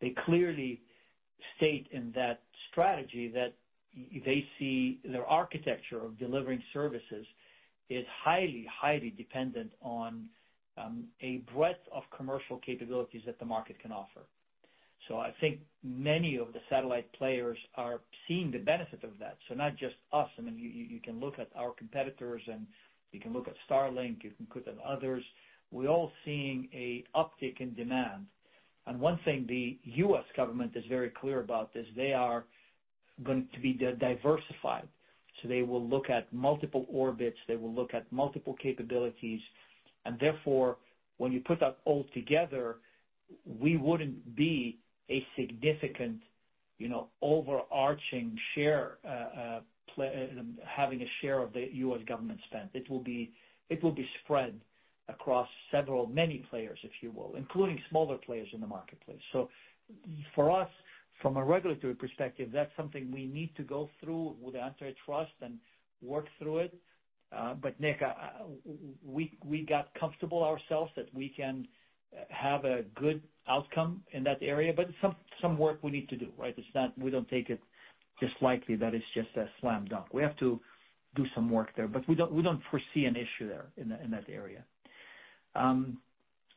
S3: They clearly state in that strategy that their architecture of delivering services is highly, highly dependent on a breadth of commercial capabilities that the market can offer. So I think many of the satellite players are seeing the benefit of that. So not just us. I mean, you can look at our competitors, and you can look at Starlink. You can look at others. We're all seeing an uptick in demand. And one thing the U.S. government is very clear about is they are going to be diversified. So they will look at multiple orbits. They will look at multiple capabilities. And therefore, when you put that all together, we wouldn't be a significant overarching share having a share of the U.S. government spend. It will be spread across several, many players, if you will, including smaller players in the marketplace. So for us, from a regulatory perspective, that's something we need to go through with the antitrust and work through it. But, Nick, we got comfortable ourselves that we can have a good outcome in that area. But some work we need to do, right? We don't take it just lightly that it's just a slam dunk. We have to do some work there. But we don't foresee an issue there in that area.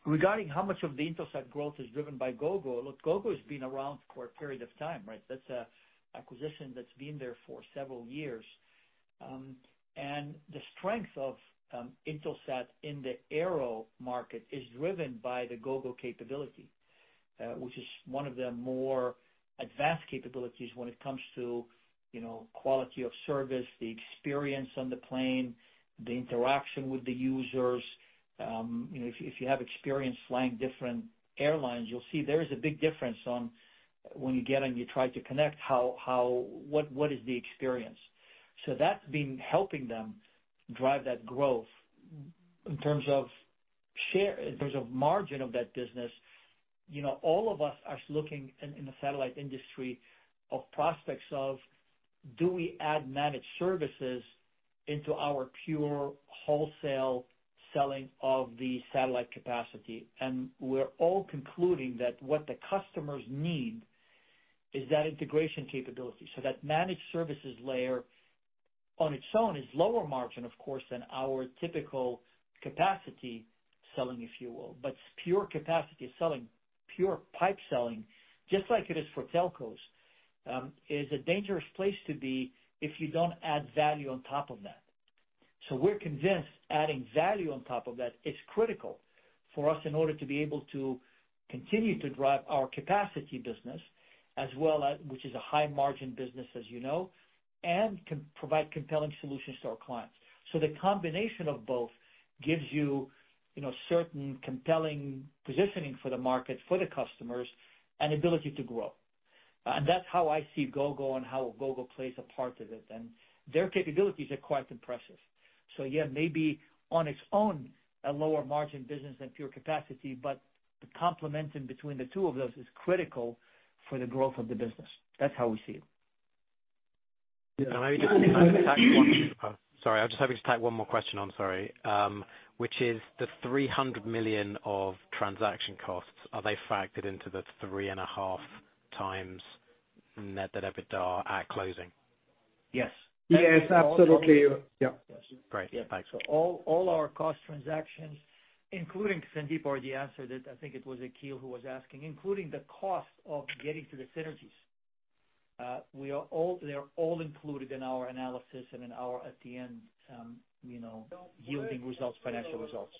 S3: Regarding how much of the Intelsat growth is driven by Gogo, look, Gogo has been around for a period of time, right? That's an acquisition that's been there for several years. And the strength of Intelsat in the aero market is driven by the Gogo capability, which is one of the more advanced capabilities when it comes to quality of service, the experience on the plane, the interaction with the users. If you have experience flying different airlines, you'll see there is a big difference when you get and you try to connect what is the experience. So that's been helping them drive that growth in terms of margin of that business. All of us are looking in the satellite industry of prospects of, do we add managed services into our pure wholesale selling of the satellite capacity? And we're all concluding that what the customers need is that integration capability. So that managed services layer on its own is lower margin, of course, than our typical capacity selling, if you will. But pure capacity selling, pure pipe selling, just like it is for telcos, is a dangerous place to be if you don't add value on top of that. So we're convinced adding value on top of that is critical for us in order to be able to continue to drive our capacity business as well as which is a high-margin business, as you know, and provide compelling solutions to our clients. So the combination of both gives you certain compelling positioning for the market, for the customers, and ability to grow. And that's how I see Gogo and how Gogo plays a part of it. And their capabilities are quite impressive. So yeah, maybe on its own, a lower-margin business than pure capacity, but the complementing between the two of those is critical for the growth of the business. That's how we see it.
S8: Yeah. And I'm just going to tack on one, sorry. I'm just having to tack on one more question. I'm sorry, which is the $300 million of transaction costs—are they factored into the 3.5x net debt at closing?
S3: Yes.
S4: Yes. Absolutely.
S8: Yep. Great. Thanks.
S3: So all our transaction costs, including Sandeep already answered it. I think it was Akhil who was asking, including the cost of getting to the synergies. They're all included in our analysis and in our at-the-end yielding results, financial results.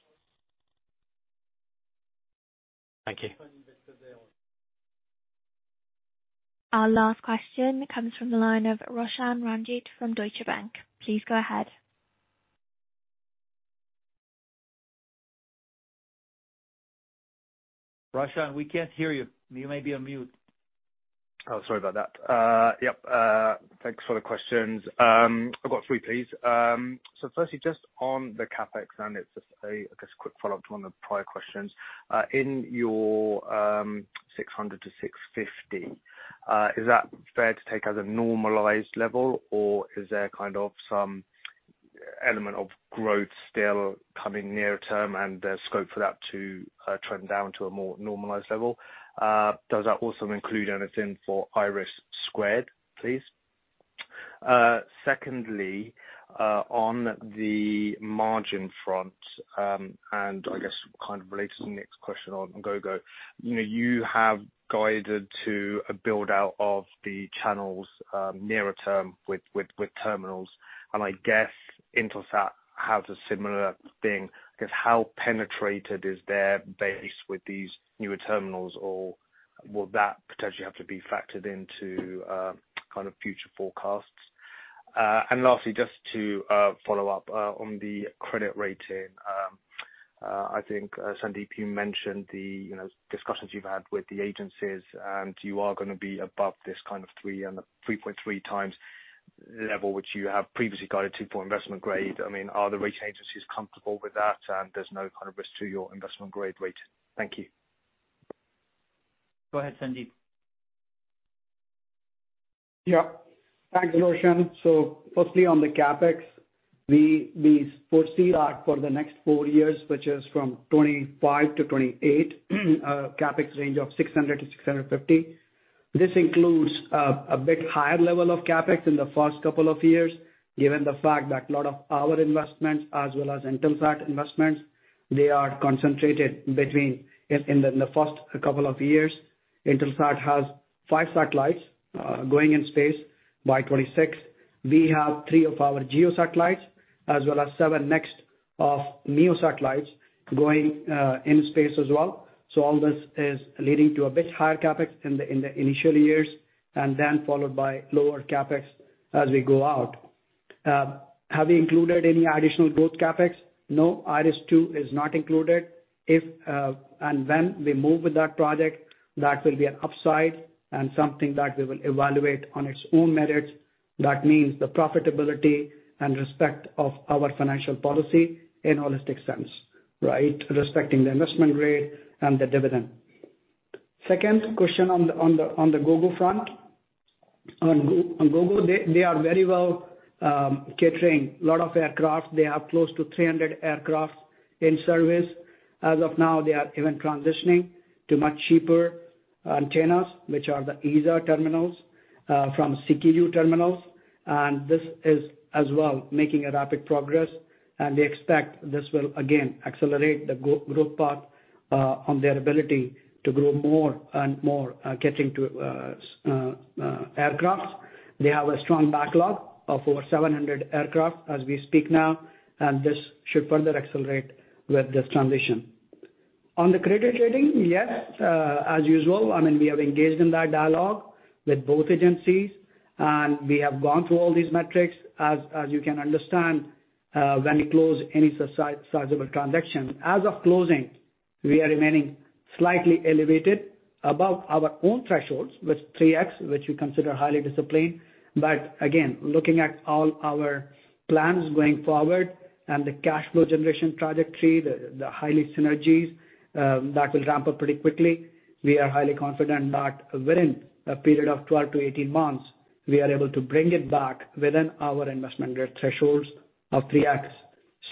S8: Thank you.
S1: Our last question comes from the line of Roshan Ranjit from Deutsche Bank. Please go ahead.
S3: Roshan, we can't hear you. You may be on mute.
S9: Oh, sorry about that. Yep. Thanks for the questions. I've got three, please. So firstly, just on the CapEx, and it's just a quick follow-up to one of the prior questions. In your 600-650, is that fair to take as a normalized level, or is there kind of some element of growth still coming near-term and there's scope for that to trend down to a more normalized level? Does that also include anything for IRIS², please? Secondly, on the margin front, and I guess kind of related to the next question on Gogo, you have guided to a build-out of the channels nearer term with terminals. And I guess Intelsat have a similar thing. I guess how penetrated is their base with these newer terminals, or will that potentially have to be factored into kind of future forecasts? And lastly, just to follow up on the credit rating, I think Sandeep, you mentioned the discussions you've had with the agencies, and you are going to be above this kind of 3.3 times level, which you have previously guided to for investment grade. I mean, are the rating agencies comfortable with that, and there's no kind of risk to your investment grade rating? Thank you.
S3: Go ahead, Sandeep.
S4: Yep. Thanks, Roshan. So firstly, on the CAPEX, we foresee that for the next 4 years, which is from 2025 to 2028, CAPEX range of 600 million-650 million. This includes a bit higher level of CAPEX in the first couple of years given the fact that a lot of our investments as well as Intelsat investments, they are concentrated in the first couple of years. Intelsat has 5 satellites going in space by 2026. We have 3 of our GEO satellites as well as 7 next of MEO satellites going in space as well. So all this is leading to a bit higher CAPEX in the initial years and then followed by lower CAPEX as we go out. Have we included any additional growth CAPEX? No. Iris 2 is not included. If and when we move with that project, that will be an upside and something that we will evaluate on its own merits. That means the profitability and respect of our financial policy in holistic sense, right, respecting the investment grade and the dividend. Second question on the Gogo front. On Gogo, they are very well catering a lot of aircraft. They have close to 300 aircraft in service. As of now, they are even transitioning to much cheaper antennas, which are the ESA terminals from Ku terminals. And this is as well making rapid progress. And we expect this will, again, accelerate the growth path on their ability to grow more and more catering to aircraft. They have a strong backlog of over 700 aircraft as we speak now, and this should further accelerate with this transition. On the credit rating, yes, as usual, I mean, we have engaged in that dialogue with both agencies, and we have gone through all these metrics. As you can understand, when we close any sizable transaction, as of closing, we are remaining slightly elevated above our own thresholds with 3x, which we consider highly disciplined. But again, looking at all our plans going forward and the cash flow generation trajectory, the high synergies that will ramp up pretty quickly, we are highly confident that within a period of 12-18 months, we are able to bring it back within our investment grade thresholds of 3x.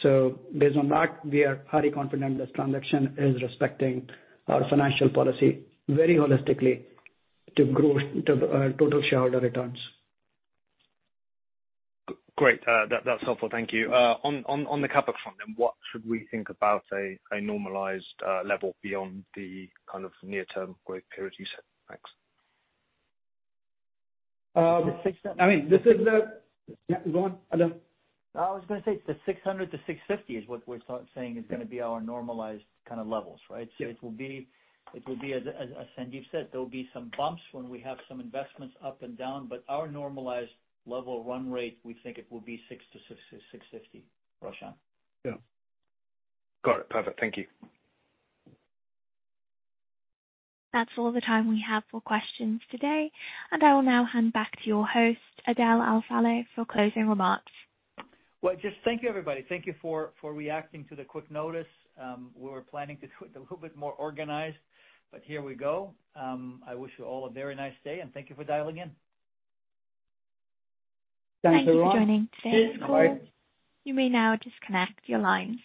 S4: So based on that, we are highly confident this transaction is respecting our financial policy very holistically to total shareholder returns.
S9: Great. That's helpful. Thank you. On the CAPEX front, then what should we think about a normalized level beyond the kind of near-term growth period you said? Thanks.
S4: [inaudible]
S3: I was going to say it's the 600 million-650 million is what we're saying is going to be our normalized kind of levels, right? So it will be as Sandeep said, there'll be some bumps when we have some investments up and down. But our normalized level run rate, we think it will be 600 million-650 million, Roshan.
S9: Yeah. Got it. Perfect. Thank you.
S1: That's all the time we have for questions today. And I will now hand back to your host, Adel Al-Saleh, for closing remarks.
S3: Well, just thank you, everybody. Thank you for reacting to the quick notice. We were planning to do it a little bit more organized, but here we go. I wish you all a very nice day, and thank you for dialing in. Thanks, everyone. Thank you for joining today. Bye. You may now disconnect your lines.